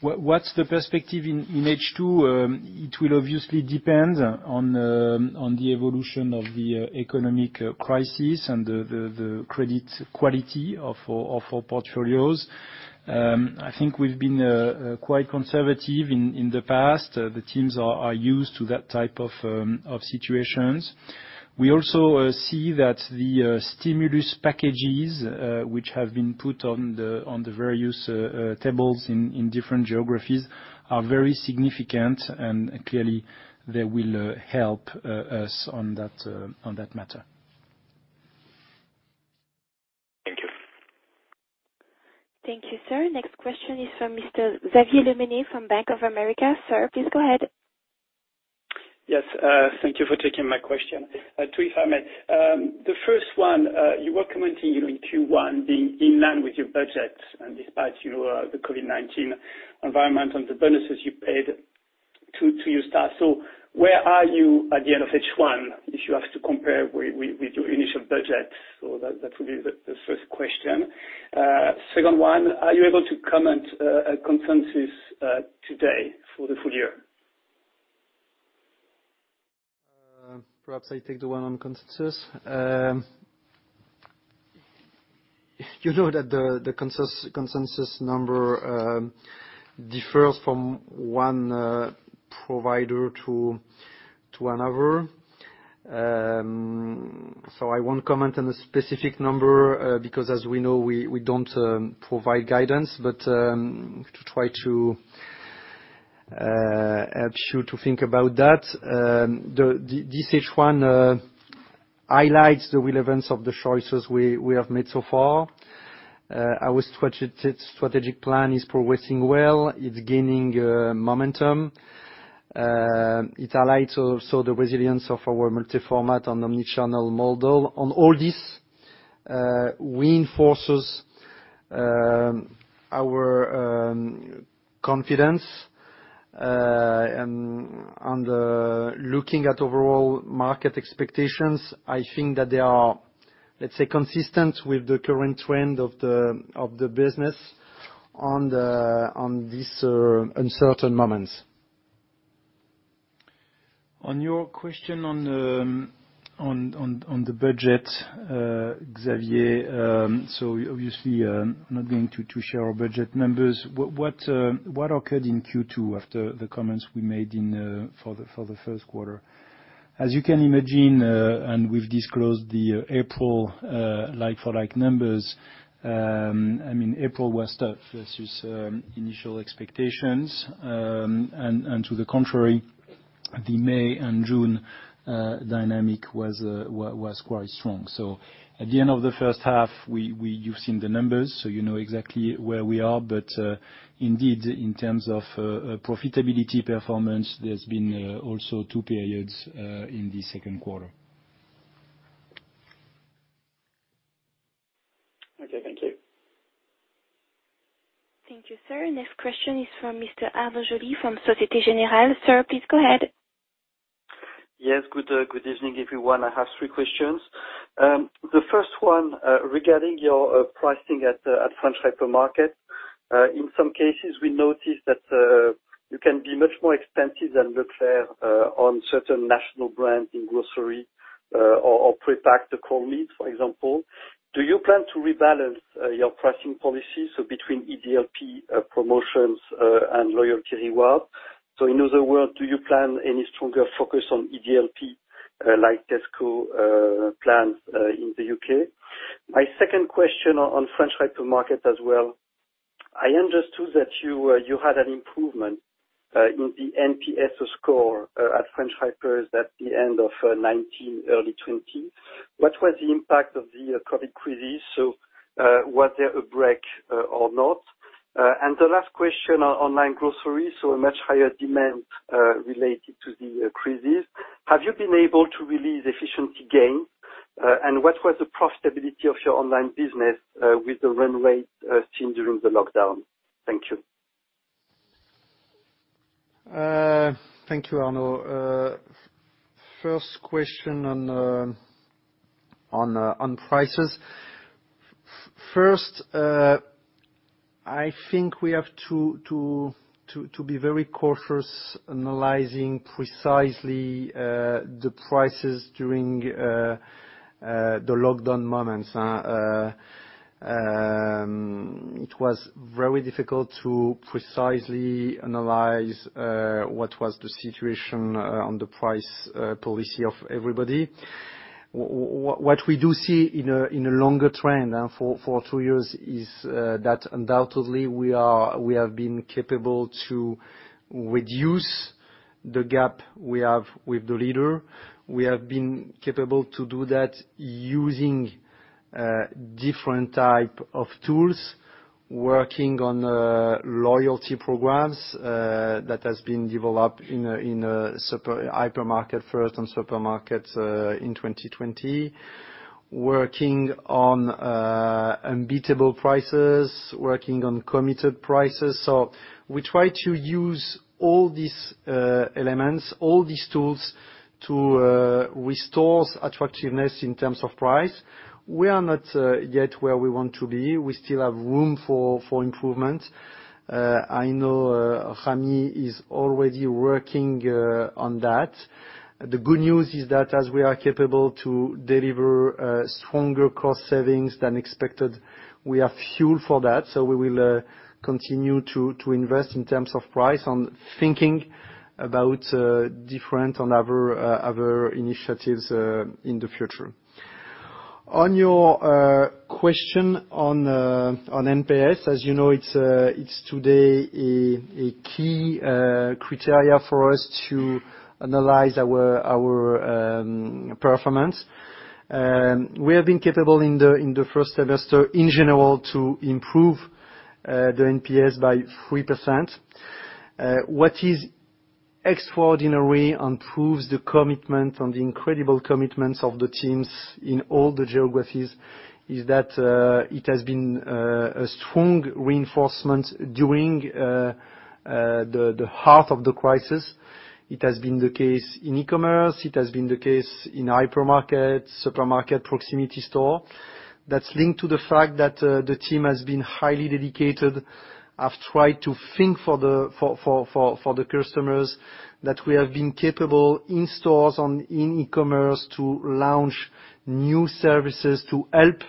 What's the perspective in H2? It will obviously depend on the evolution of the economic crisis and the credit quality of our portfolios. I think we've been quite conservative in the past. The teams are used to that type of situations. We also see that the stimulus packages, which have been put on the various tables in different geographies, are very significant, and clearly they will help us on that matter.
Thank you.
Thank you, sir. Next question is from Mr. Xavier Le Mené from Bank of America. Sir, please go ahead.
Yes, thank you for taking my question. Three, if I may. The first one, you were commenting in Q1 being in line with your budget and despite the COVID-19 environment and the bonuses you paid to your staff. Where are you at the end of H1, if you have to compare with your initial budget? That will be the first question. Second one, are you able to comment a consensus today for the full year?
Perhaps I take the one on consensus. You know that the consensus number differs from one provider to another. I won't comment on a specific number, because as we know, we don't provide guidance. To try to help you to think about that, this H1 highlights the relevance of the choices we have made so far. Our strategic plan is progressing well. It's gaining momentum. It highlights also the resilience of our multi-format and omnichannel model. All this, reinforces our confidence. Looking at overall market expectations, I think that they are, let's say, consistent with the current trend of the business on these uncertain moments.
Your question on the budget, Xavier, obviously, I'm not going to share our budget numbers. What occurred in Q2 after the comments we made for the first quarter? As you can imagine, we've disclosed the April like-for-like numbers. April was tough versus initial expectations. To the contrary, the May and June dynamic was quite strong. At the end of the first half, you've seen the numbers, so you know exactly where we are. Indeed, in terms of profitability performance, there's been also two periods in the second quarter.
Okay, thank you.
Thank you, sir. Next question is from Mr. Arnaud Joly from Société Générale. Sir, please go ahead.
Yes. Good evening, everyone. I have three questions. The first one regarding your pricing at French hypermarkets. In some cases, we noticed that you can be much more expensive than Leclerc on certain national brands in grocery or prepacked cold meat, for example. Do you plan to rebalance your pricing policy, between EDLP promotions and loyalty reward? In other words, do you plan any stronger focus on EDLP, like Tesco plans in the U.K.? My second question on French hypermarkets as well. I understood that you had an improvement in the NPS score at French hypers at the end of 2019, early 2020. What was the impact of the COVID crisis? Was there a break or not? The last question on online grocery, a much higher demand related to the crisis. Have you been able to release efficiency gains? What was the profitability of your online business with the run rate seen during the lockdown? Thank you.
Thank you, Arnaud. First question on prices. First, I think we have to be very cautious analyzing precisely the prices during the lockdown moments. It was very difficult to precisely analyze what was the situation on the price policy of everybody. What we do see in a longer trend, for two years is that undoubtedly we have been capable to reduce the gap we have with the leader. We have been capable to do that using different type of tools, working on loyalty programs that has been developed in a hypermarket first, and supermarkets in 2020. Working on Unbeatable Prices, working on Committed Prices. We try to use all these elements, all these tools to restore attractiveness in terms of price. We are not yet where we want to be. We still have room for improvement. I know Rami is already working on that. The good news is that as we are capable to deliver stronger cost savings than expected, we have fuel for that. We will continue to invest in terms of price on thinking about different and other initiatives in the future. On your question on NPS, as you know, it's today a key criteria for us to analyze our performance. We have been capable in the first semester in general to improve the NPS by 3%. What is extraordinary and proves the commitment and the incredible commitments of the teams in all the geographies, is that it has been a strong reinforcement during the heart of the crisis. It has been the case in e-commerce, it has been the case in hypermarket, supermarket, proximity store. That's linked to the fact that the team has been highly dedicated, have tried to think for the customers, that we have been capable in stores, in e-commerce, to launch new services to help,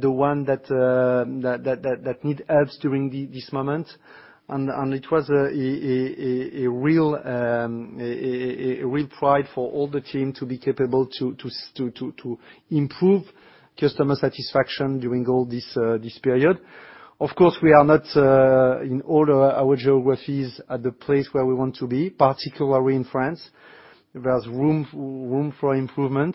the one that need helps during this moment. It was a real pride for all the team to be capable to improve customer satisfaction during all this period. Of course, we are not in all our geographies at the place where we want to be, particularly in France. There's room for improvement.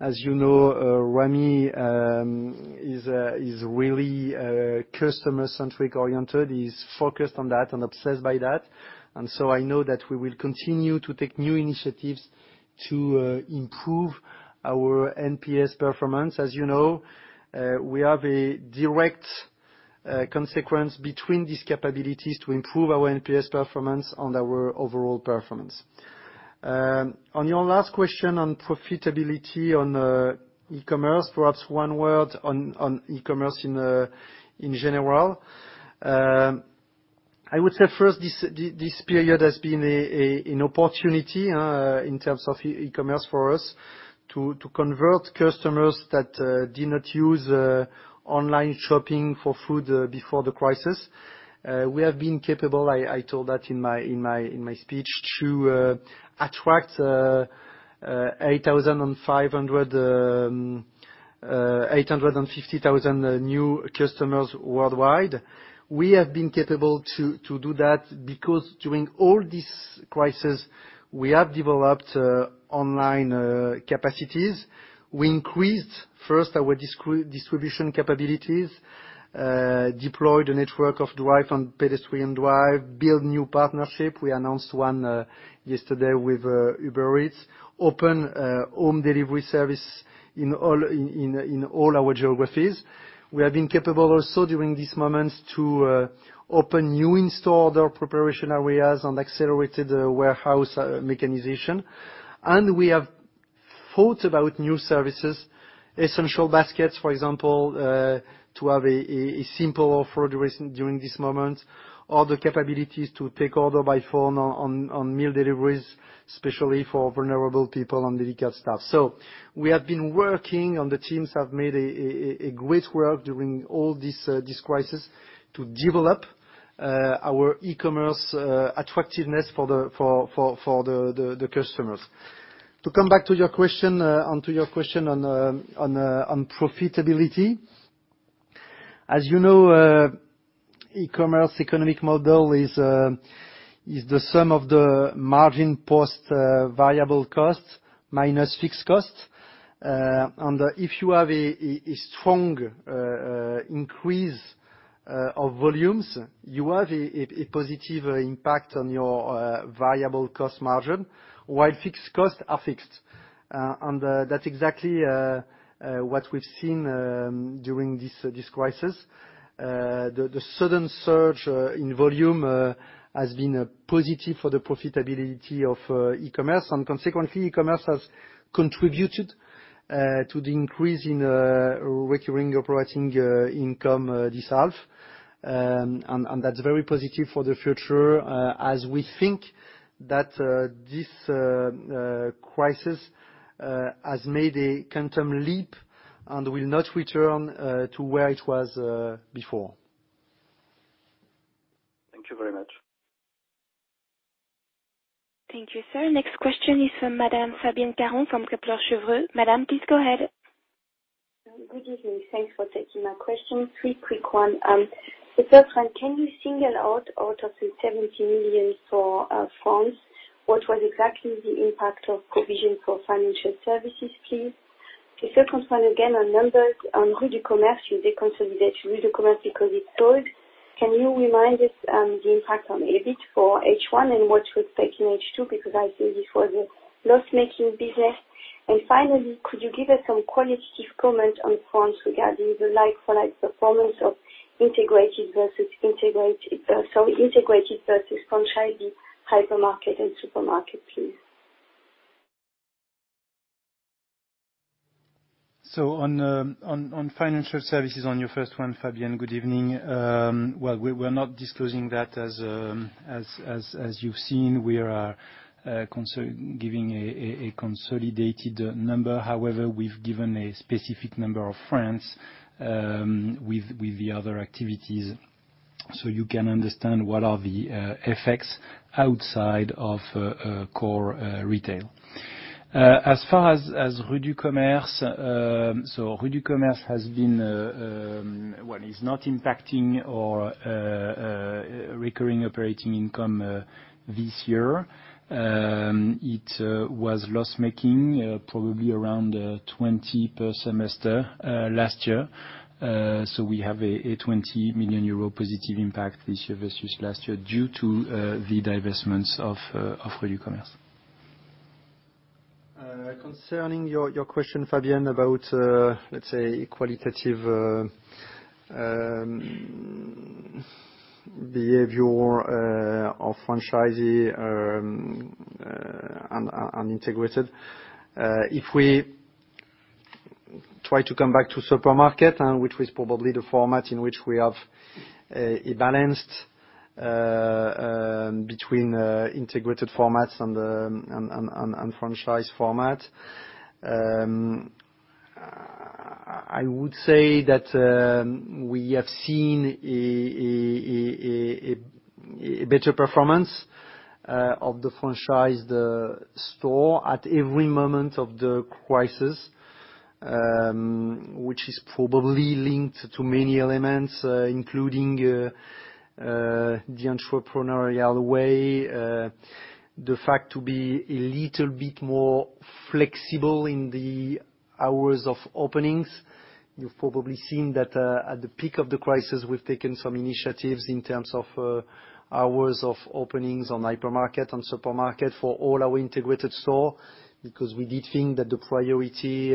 As you know, Rami is really customer-centric oriented. He's focused on that and obsessed by that. I know that we will continue to take new initiatives to improve our NPS performance. As you know, we have a direct consequence between these capabilities to improve our NPS performance and our overall performance. On your last question on profitability on e-commerce, perhaps one word on e-commerce in general. I would say first, this period has been an opportunity in terms of e-commerce for us to convert customers that did not use online shopping for food before the crisis. We have been capable, I told that in my speech, to attract 850,000 new customers worldwide. We have been capable to do that because during all this crisis, we have developed online capacities. We increased first our distribution capabilities, deployed a network of drive and pedestrian drive, build new partnership. We announced one yesterday with Uber Eats. We opened home delivery service in all our geographies. We have been capable also during this moment to open new in-store order preparation areas and accelerated warehouse mechanization. We have thought about new services, essential baskets, for example, to have a simple offer during this moment, or the capabilities to take order by phone on meal deliveries, especially for vulnerable people and delicate stuff. We have been working, and the teams have made a great work during all this crisis to develop our e-commerce attractiveness for the customers. To come back onto your question on profitability. As you know, e-commerce economic model is the sum of the margin post variable costs minus fixed costs. If you have a strong increase of volumes, you have a positive impact on your variable cost margin, while fixed costs are fixed. That's exactly what we've seen during this crisis. The sudden surge in volume has been positive for the profitability of e-commerce, and consequently, e-commerce has contributed to the increase in recurring operating income this half. That's very positive for the future, as we think that this crisis has made a quantum leap and will not return to where it was before.
Thank you very much.
Thank you, sir. Next question is from Madame Fabienne Caron from Kepler Cheuvreux. Madame, please go ahead.
Good evening. Thanks for taking my question. Three quick one. The first one, can you single out of the 70 million for France, what was exactly the impact of provision for financial services, please? The second one, again, on numbers on Rue du Commerce, the consolidation, Rue du Commerce because it's sold. Can you remind us the impact on EBIT for H1 and what to expect in H2? Because I think this was a loss-making business. Finally, could you give us some qualitative comment on France regarding the like-for-like performance of integrated versus franchisee hypermarket and supermarket, please?
On financial services, on your first one, Fabienne, good evening. Well, we're not disclosing that. As you've seen, we are giving a consolidated number. However, we've given a specific number of France with the other activities so you can understand what are the effects outside of core retail. As far as Rue du Commerce, it's not impacting our recurring operating income this year. It was loss-making, probably around 20 million per semester last year. We have a 20 million euro positive impact this year versus last year due to the divestments of Rue du Commerce. Concerning your question, Fabienne, about, let's say, qualitative behavior of franchisee and integrated. If we try to come back to supermarket, which was probably the format in which we have a balance between integrated formats and franchise format. I would say that we have seen a better performance of the franchised store at every moment of the crisis, which is probably linked to many elements, including the entrepreneurial way, the fact to be a little bit more flexible in the hours of openings. You've probably seen that at the peak of the crisis, we've taken some initiatives in terms of hours of openings on hypermarket and supermarket for all our integrated store, because we did think that the priority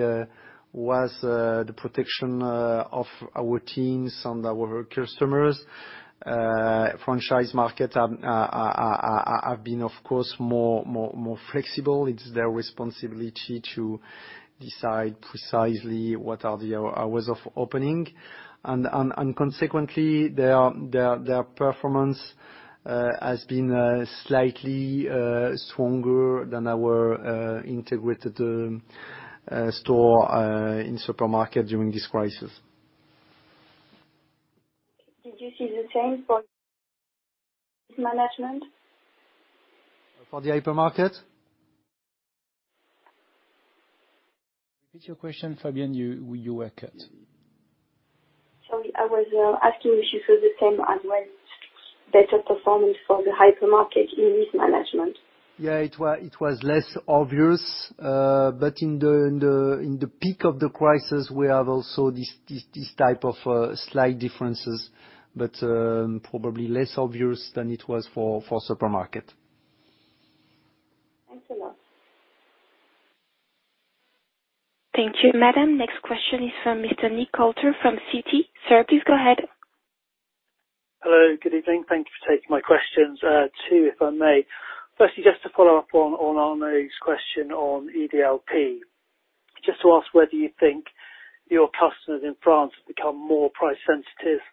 was the protection of our teams and our customers. Franchise market have been, of course, more flexible. It's their responsibility to decide precisely what are the hours of opening. Consequently, their performance has been slightly stronger than our integrated store in supermarket during this crisis.
Did you see the same for risk management?
For the hypermarket? Repeat your question, Fabienne. You were cut.
Sorry, I was asking if you saw the same as well, better performance for the hypermarket in risk management.
Yeah, it was less obvious. In the peak of the crisis, we have also this type of slight differences, but probably less obvious than it was for supermarket.
Thanks a lot.
Thank you, madam. Next question is from Mr. Nick Coulter from Citi. Sir, please go ahead.
Hello, good evening. Thank you for taking my questions. Two, if I may. Firstly, just to follow up on Arnaud's question on EDLP. Just to ask whether you think your customers in France have become more price sensitive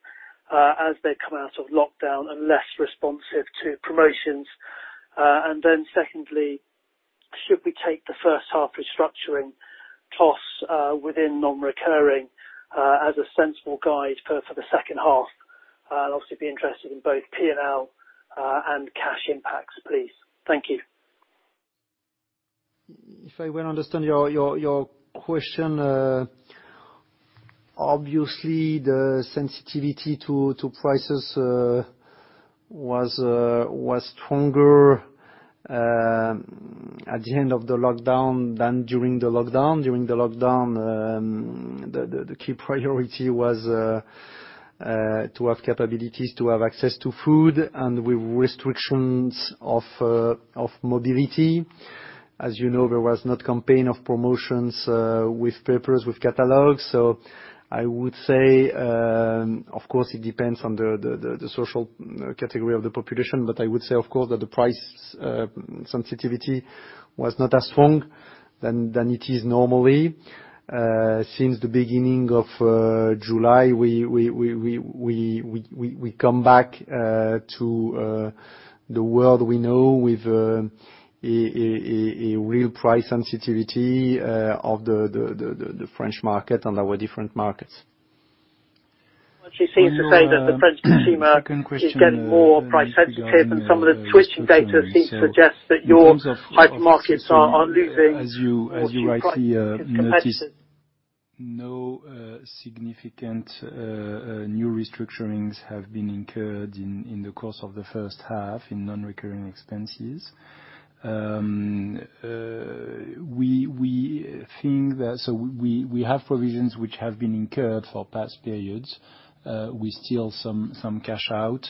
as they come out of lockdown and less responsive to promotions. Secondly, should we take the first half restructuring costs within non-recurring as a sensible guide for the second half? I'll obviously be interested in both P&L and cash impacts, please. Thank you.
If I well understand your question, obviously, the sensitivity to prices was stronger at the end of the lockdown than during the lockdown. During the lockdown, the key priority was to have capabilities to have access to food and with restrictions of mobility. As you know, there was not campaign of promotions with papers, with catalogs. I would say, of course, it depends on the social category of the population, but I would say, of course, that the price sensitivity was not as strong than it is normally. Since the beginning of July, we come back to the world we know with a real price sensitivity of the French market and our different markets.
Well, it seems to say that the French consumer.
On your second question.
is getting more price sensitive and some of the switching data seems to suggest that your hypermarkets are losing.
As you rightly noticed, no significant new restructurings have been incurred in the course of the first half in non-recurring expenses. We have provisions which have been incurred for past periods with still some cash out.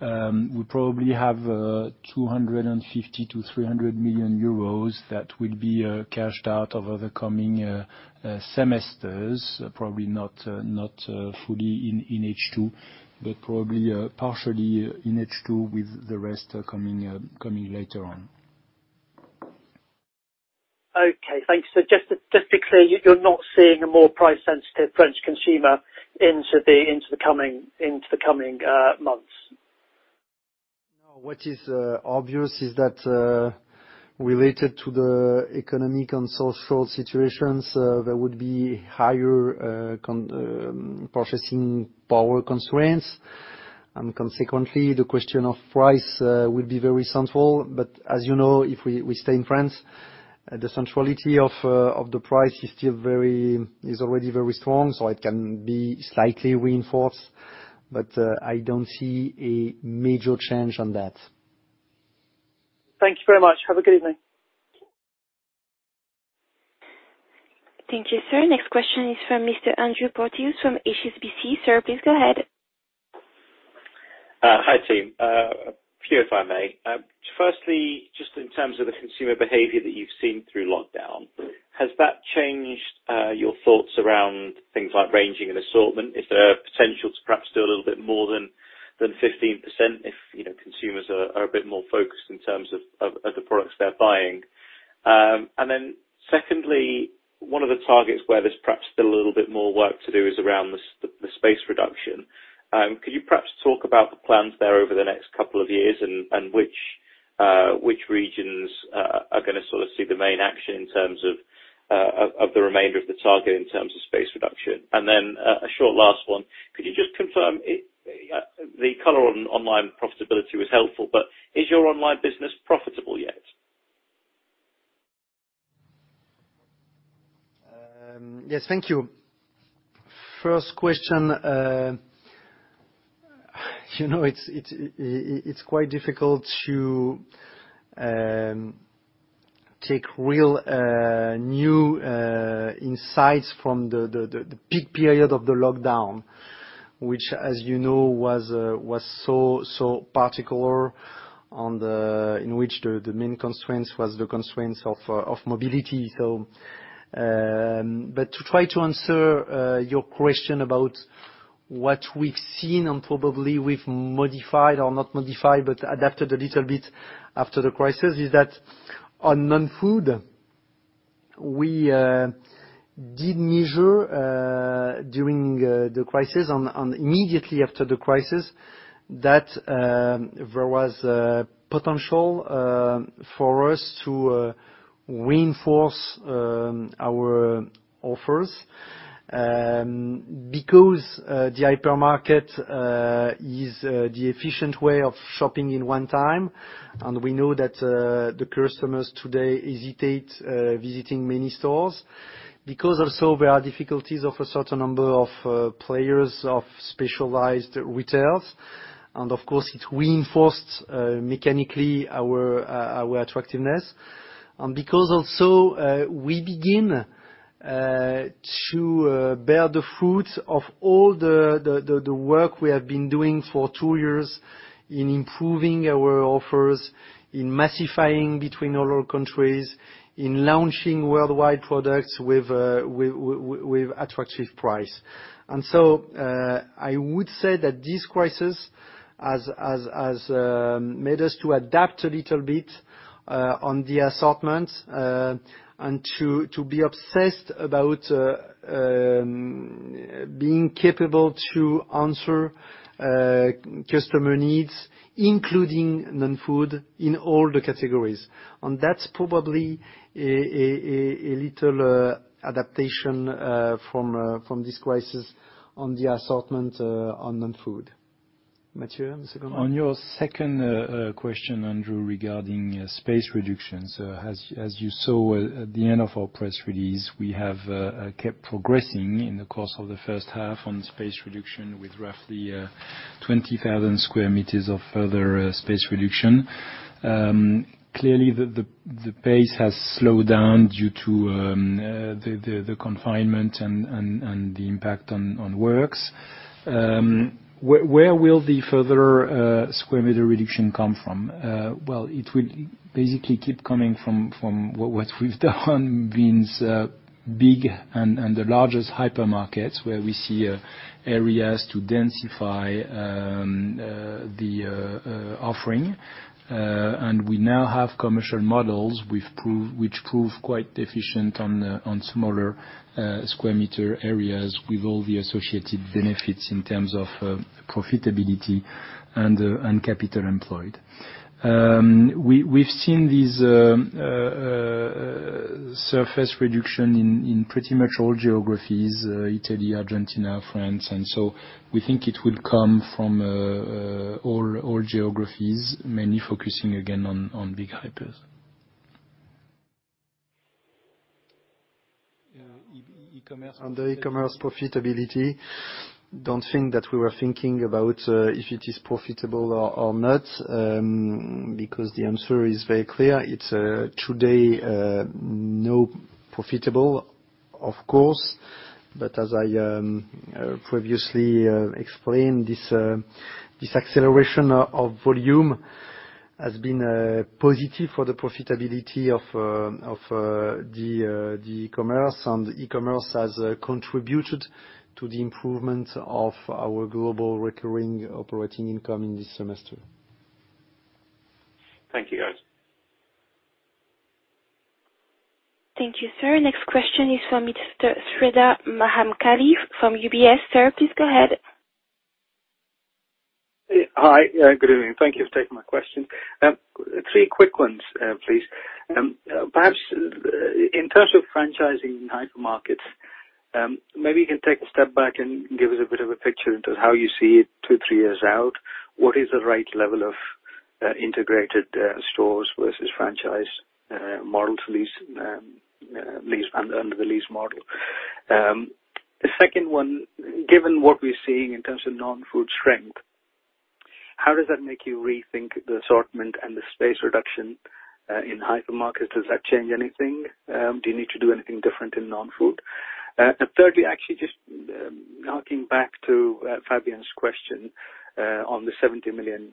We probably have 250 million-300 million euros that will be cashed out over the coming semesters, probably not fully in H2, but probably partially in H2 with the rest coming later on.
Okay. Thanks. Just to be clear, you’re not seeing a more price-sensitive French consumer into the coming months?
No. What is obvious is that related to the economic and social situations, there would be higher purchasing power constraints. Consequently, the question of price will be very central. As you know, if we stay in France, the centrality of the price is already very strong, so it can be slightly reinforced. I don't see a major change on that.
Thank you very much. Have a good evening.
Thank you, sir. Next question is from Mr. Andrew Porteous from HSBC. Sir, please go ahead.
Hi, team. A few, if I may. Firstly, just in terms of the consumer behavior that you've seen through lockdown, has that changed your thoughts around things like ranging and assortment? Is there a potential to perhaps do a little bit more than 15% if consumers are a bit more focused in terms of the products they're buying? Secondly, one of the targets where there's perhaps still a little bit more work to do is around the space reduction. Could you perhaps talk about the plans there over the next couple of years and which regions are going to sort of see the main action in terms of the remainder of the target in terms of space reduction? A short last one. Could you just confirm, the color on online profitability was helpful, but is your online business profitable yet?
Yes, thank you. First question, it is quite difficult to take real new insights from the peak period of the lockdown, which, as you know, was so particular in which the main constraints was the constraints of mobility. To try to answer your question about what we've seen and probably we've modified or not modified but adapted a little bit after the crisis, is that on non-food, we did measure during the crisis and immediately after the crisis that there was a potential for us to reinforce our offers. The hypermarket is the efficient way of shopping in one time, and we know that the customers today hesitate visiting many stores. Also there are difficulties of a certain number of players of specialized retailers. Of course, it reinforced mechanically our attractiveness. Because also we begin to bear the fruits of all the work we have been doing for two years in improving our offers, in massifying between all our countries, in launching worldwide products with attractive price. I would say that this crisis has made us to adapt a little bit on the assortment and to be obsessed about being capable to answer customer needs, including non-food in all the categories. That's probably a little adaptation from this crisis on the assortment on non-food.
Matthieu, the second one?
On your second question, Andrew, regarding space reductions. As you saw at the end of our press release, we have kept progressing in the course of the first half on space reduction with roughly 20,000 sq m of further space reduction. The pace has slowed down due to the confinement and the impact on works. Where will the further sq m reduction come from? Well, it will basically keep coming from what we've done means big and the largest hypermarkets where we see areas to densify the offering. We now have commercial models which prove quite efficient on smaller sq m areas with all the associated benefits in terms of profitability and capital employed. We've seen these surface reduction in pretty much all geographies, Italy, Argentina, France, we think it will come from all geographies, mainly focusing again on big hypers.
On the e-commerce profitability, don't think that we were thinking about if it is profitable or not, because the answer is very clear. It's today, not profitable, of course. As I previously explained, this acceleration of volume has been positive for the profitability of the e-commerce, and e-commerce has contributed to the improvement of our global recurring operating income in this semester.
Thank you, guys.
Thank you, sir. Next question is from Mr. Sreedhar Mahamkali from UBS. Sir, please go ahead.
Hi. Good evening. Thank you for taking my question. Three quick ones, please. Perhaps in terms of franchising hypermarkets, maybe you can take a step back and give us a bit of a picture into how you see it two, three years out. What is the right level of integrated stores versus franchise model to lease under the lease model? The second one, given what we're seeing in terms of non-food strength, how does that make you rethink the assortment and the space reduction in hypermarket? Does that change anything? Do you need to do anything different in non-food? Thirdly, actually, just harking back to Fabienne's question on the 70 million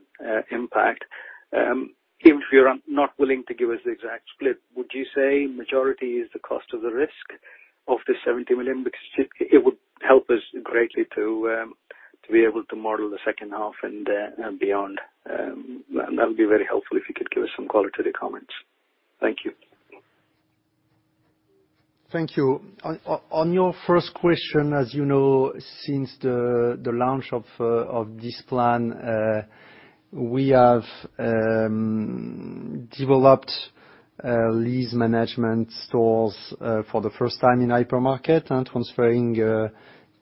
impact. Even if you're not willing to give us the exact split, would you say majority is the cost of the risk of the 70 million? It would help us greatly to be able to model the second half and beyond. That would be very helpful if you could give us some qualitative comments. Thank you.
Thank you. On your first question, as you know, since the launch of this plan, we have developed lease management stores for the first time in hypermarket and transferring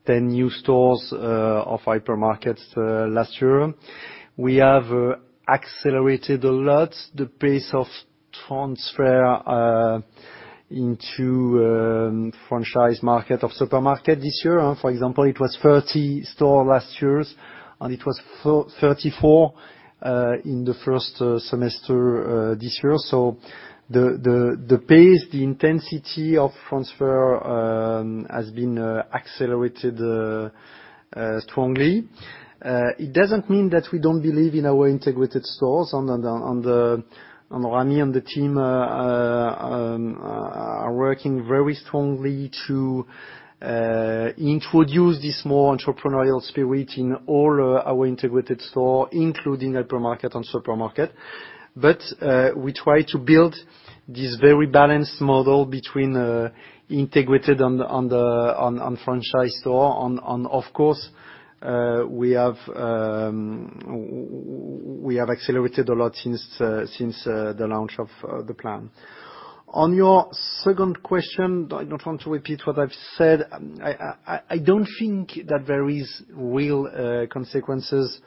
10 new stores of hypermarkets last year. We have accelerated a lot the pace of transfer into franchise market of supermarket this year. For example, it was 30 store last year, and it was 34 in the first semester this year. The pace, the intensity of transfer has been accelerated strongly. It doesn't mean that we don't believe in our integrated stores and Rami and the team are working very strongly to introduce this more entrepreneurial spirit in all our integrated store, including hypermarket and supermarket. We try to build this very balanced model between integrated and franchise store. Of course, we have accelerated a lot since the launch of the plan. On your second question, I don't want to repeat what I've said. I don't think that there is real consequences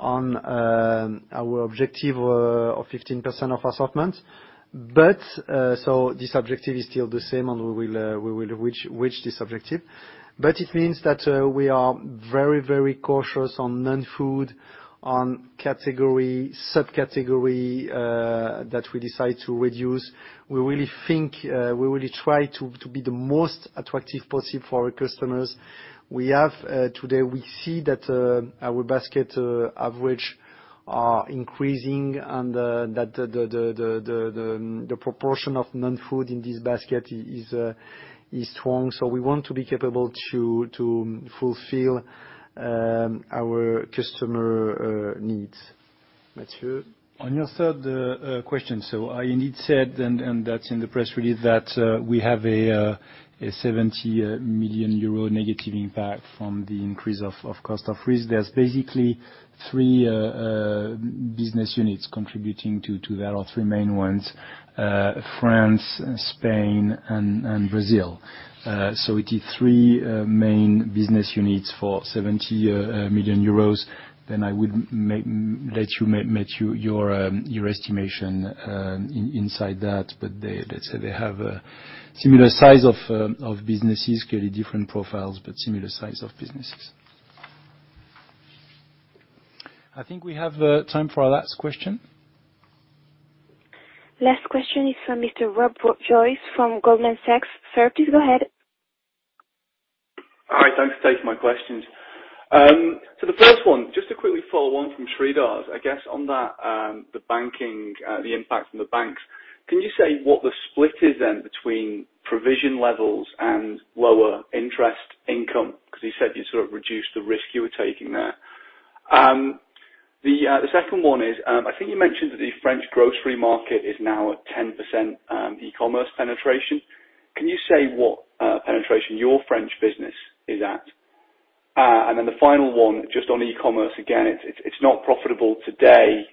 on our objective of 15% of assortment. This objective is still the same, and we will reach this objective. It means that we are very cautious on non-food, on category, subcategory that we decide to reduce. We really try to be the most attractive possible for our customers. Today, we see that our basket average are increasing and that the proportion of non-food in this basket is strong. We want to be capable to fulfill our customer needs.
Matthieu? On your third question. I indeed said, and that's in the press release, that we have a 70 million euro negative impact from the increase of cost of risk. There's basically three business units contributing to that, or three main ones, France, Spain and Brazil. It is three main business units for 70 million euros. I would let you make your estimation inside that, let's say they have a similar size of businesses, clearly different profiles, similar size of businesses. I think we have time for our last question.
Last question is from Mr. Rob Joyce from Goldman Sachs. Sir, please go ahead.
Hi, thanks for taking my questions. The first one, just to quickly follow on from Sreedhar's, I guess, on the impact from the banks. Can you say what the split is then between provision levels and lower interest income? Because you said you sort of reduced the risk you were taking there. The second one is, I think you mentioned that the French grocery market is now at 10% e-commerce penetration. Can you say what penetration your French business is at? The final one, just on e-commerce, again, it's not profitable today.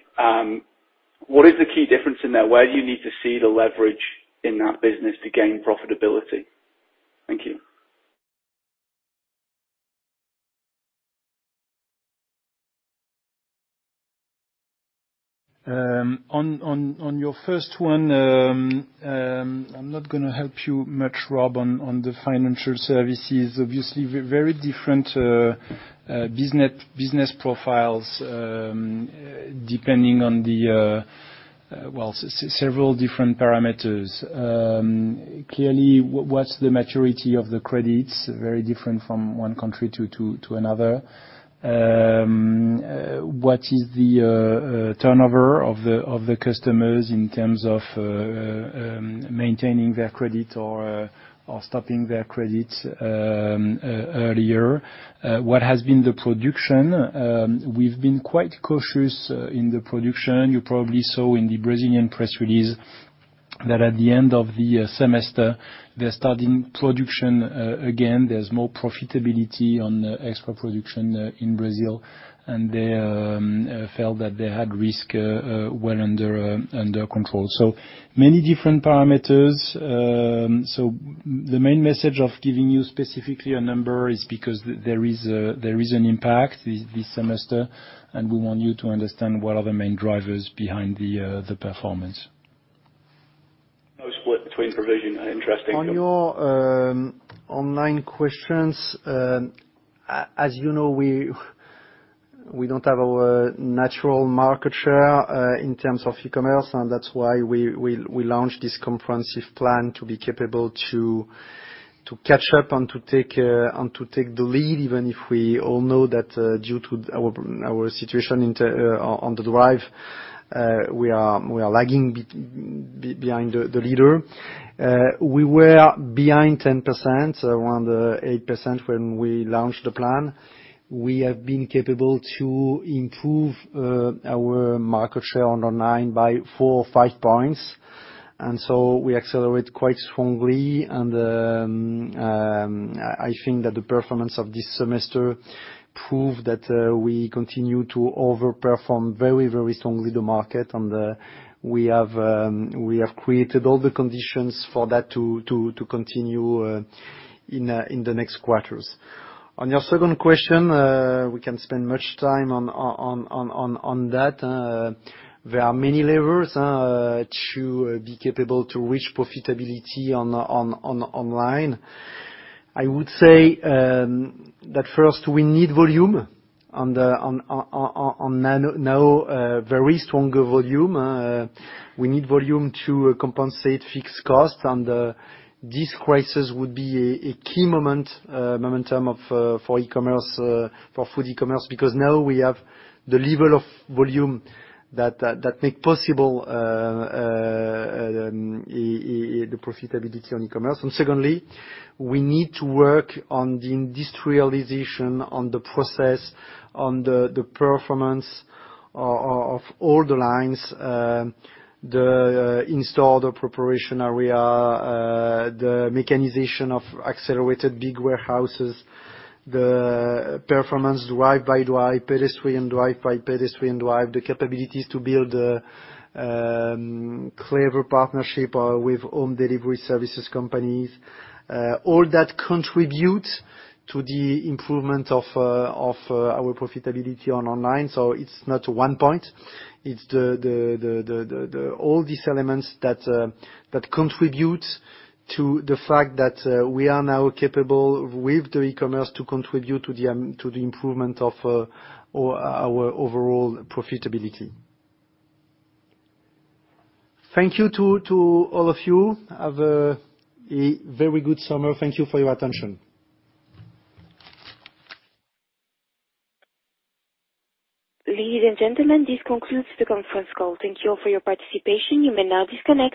What is the key difference in there? Where do you need to see the leverage in that business to gain profitability? Thank you.
On your first one, I'm not going to help you much, Rob, on the financial services. Very different business profiles, depending on several different parameters. What's the maturity of the credits? Very different from one country to another. What is the turnover of the customers in terms of maintaining their credit or stopping their credit earlier? What has been the production? We've been quite cautious in the production. You probably saw in the Brazilian press release that at the end of the semester, they're starting production again. There's more profitability on extra production in Brazil, and they felt that they had risk well under control. Many different parameters. The main message of giving you specifically a number is because there is an impact this semester, and we want you to understand what are the main drivers behind the performance.
No split between provision and interest income.
On your online questions. As you know, we don't have our natural market share in terms of e-commerce, and that's why we launched this comprehensive plan to be capable to catch up and to take the lead, even if we all know that due to our situation on the drive, we are lagging behind the leader. We were behind 10%, around 8% when we launched the plan. We have been capable to improve our market share online by four or five points. We accelerate quite strongly, and I think that the performance of this semester proved that we continue to over-perform very strongly the market, and we have created all the conditions for that to continue in the next quarters. On your second question, we can spend much time on that. There are many levels to be capable to reach profitability online. I would say that first, we need volume, now very stronger volume. We need volume to compensate fixed costs, this crisis would be a key momentum for food e-commerce, because now we have the level of volume that make possible the profitability on e-commerce. Secondly, we need to work on the industrialization, on the process, on the performance of all the lines, the in-store, the preparation area, the mechanization of accelerated big warehouses, the performance drive-by-drive, pedestrian drive by pedestrian drive, the capabilities to build a clever partnership with home delivery services companies. All that contribute to the improvement of our profitability on online. It's not one point, it's all these elements that contribute to the fact that we are now capable, with the e-commerce, to contribute to the improvement of our overall profitability. Thank you to all of you. Have a very good summer. Thank you for your attention.
Ladies and gentlemen, this concludes the conference call. Thank you all for your participation. You may now disconnect.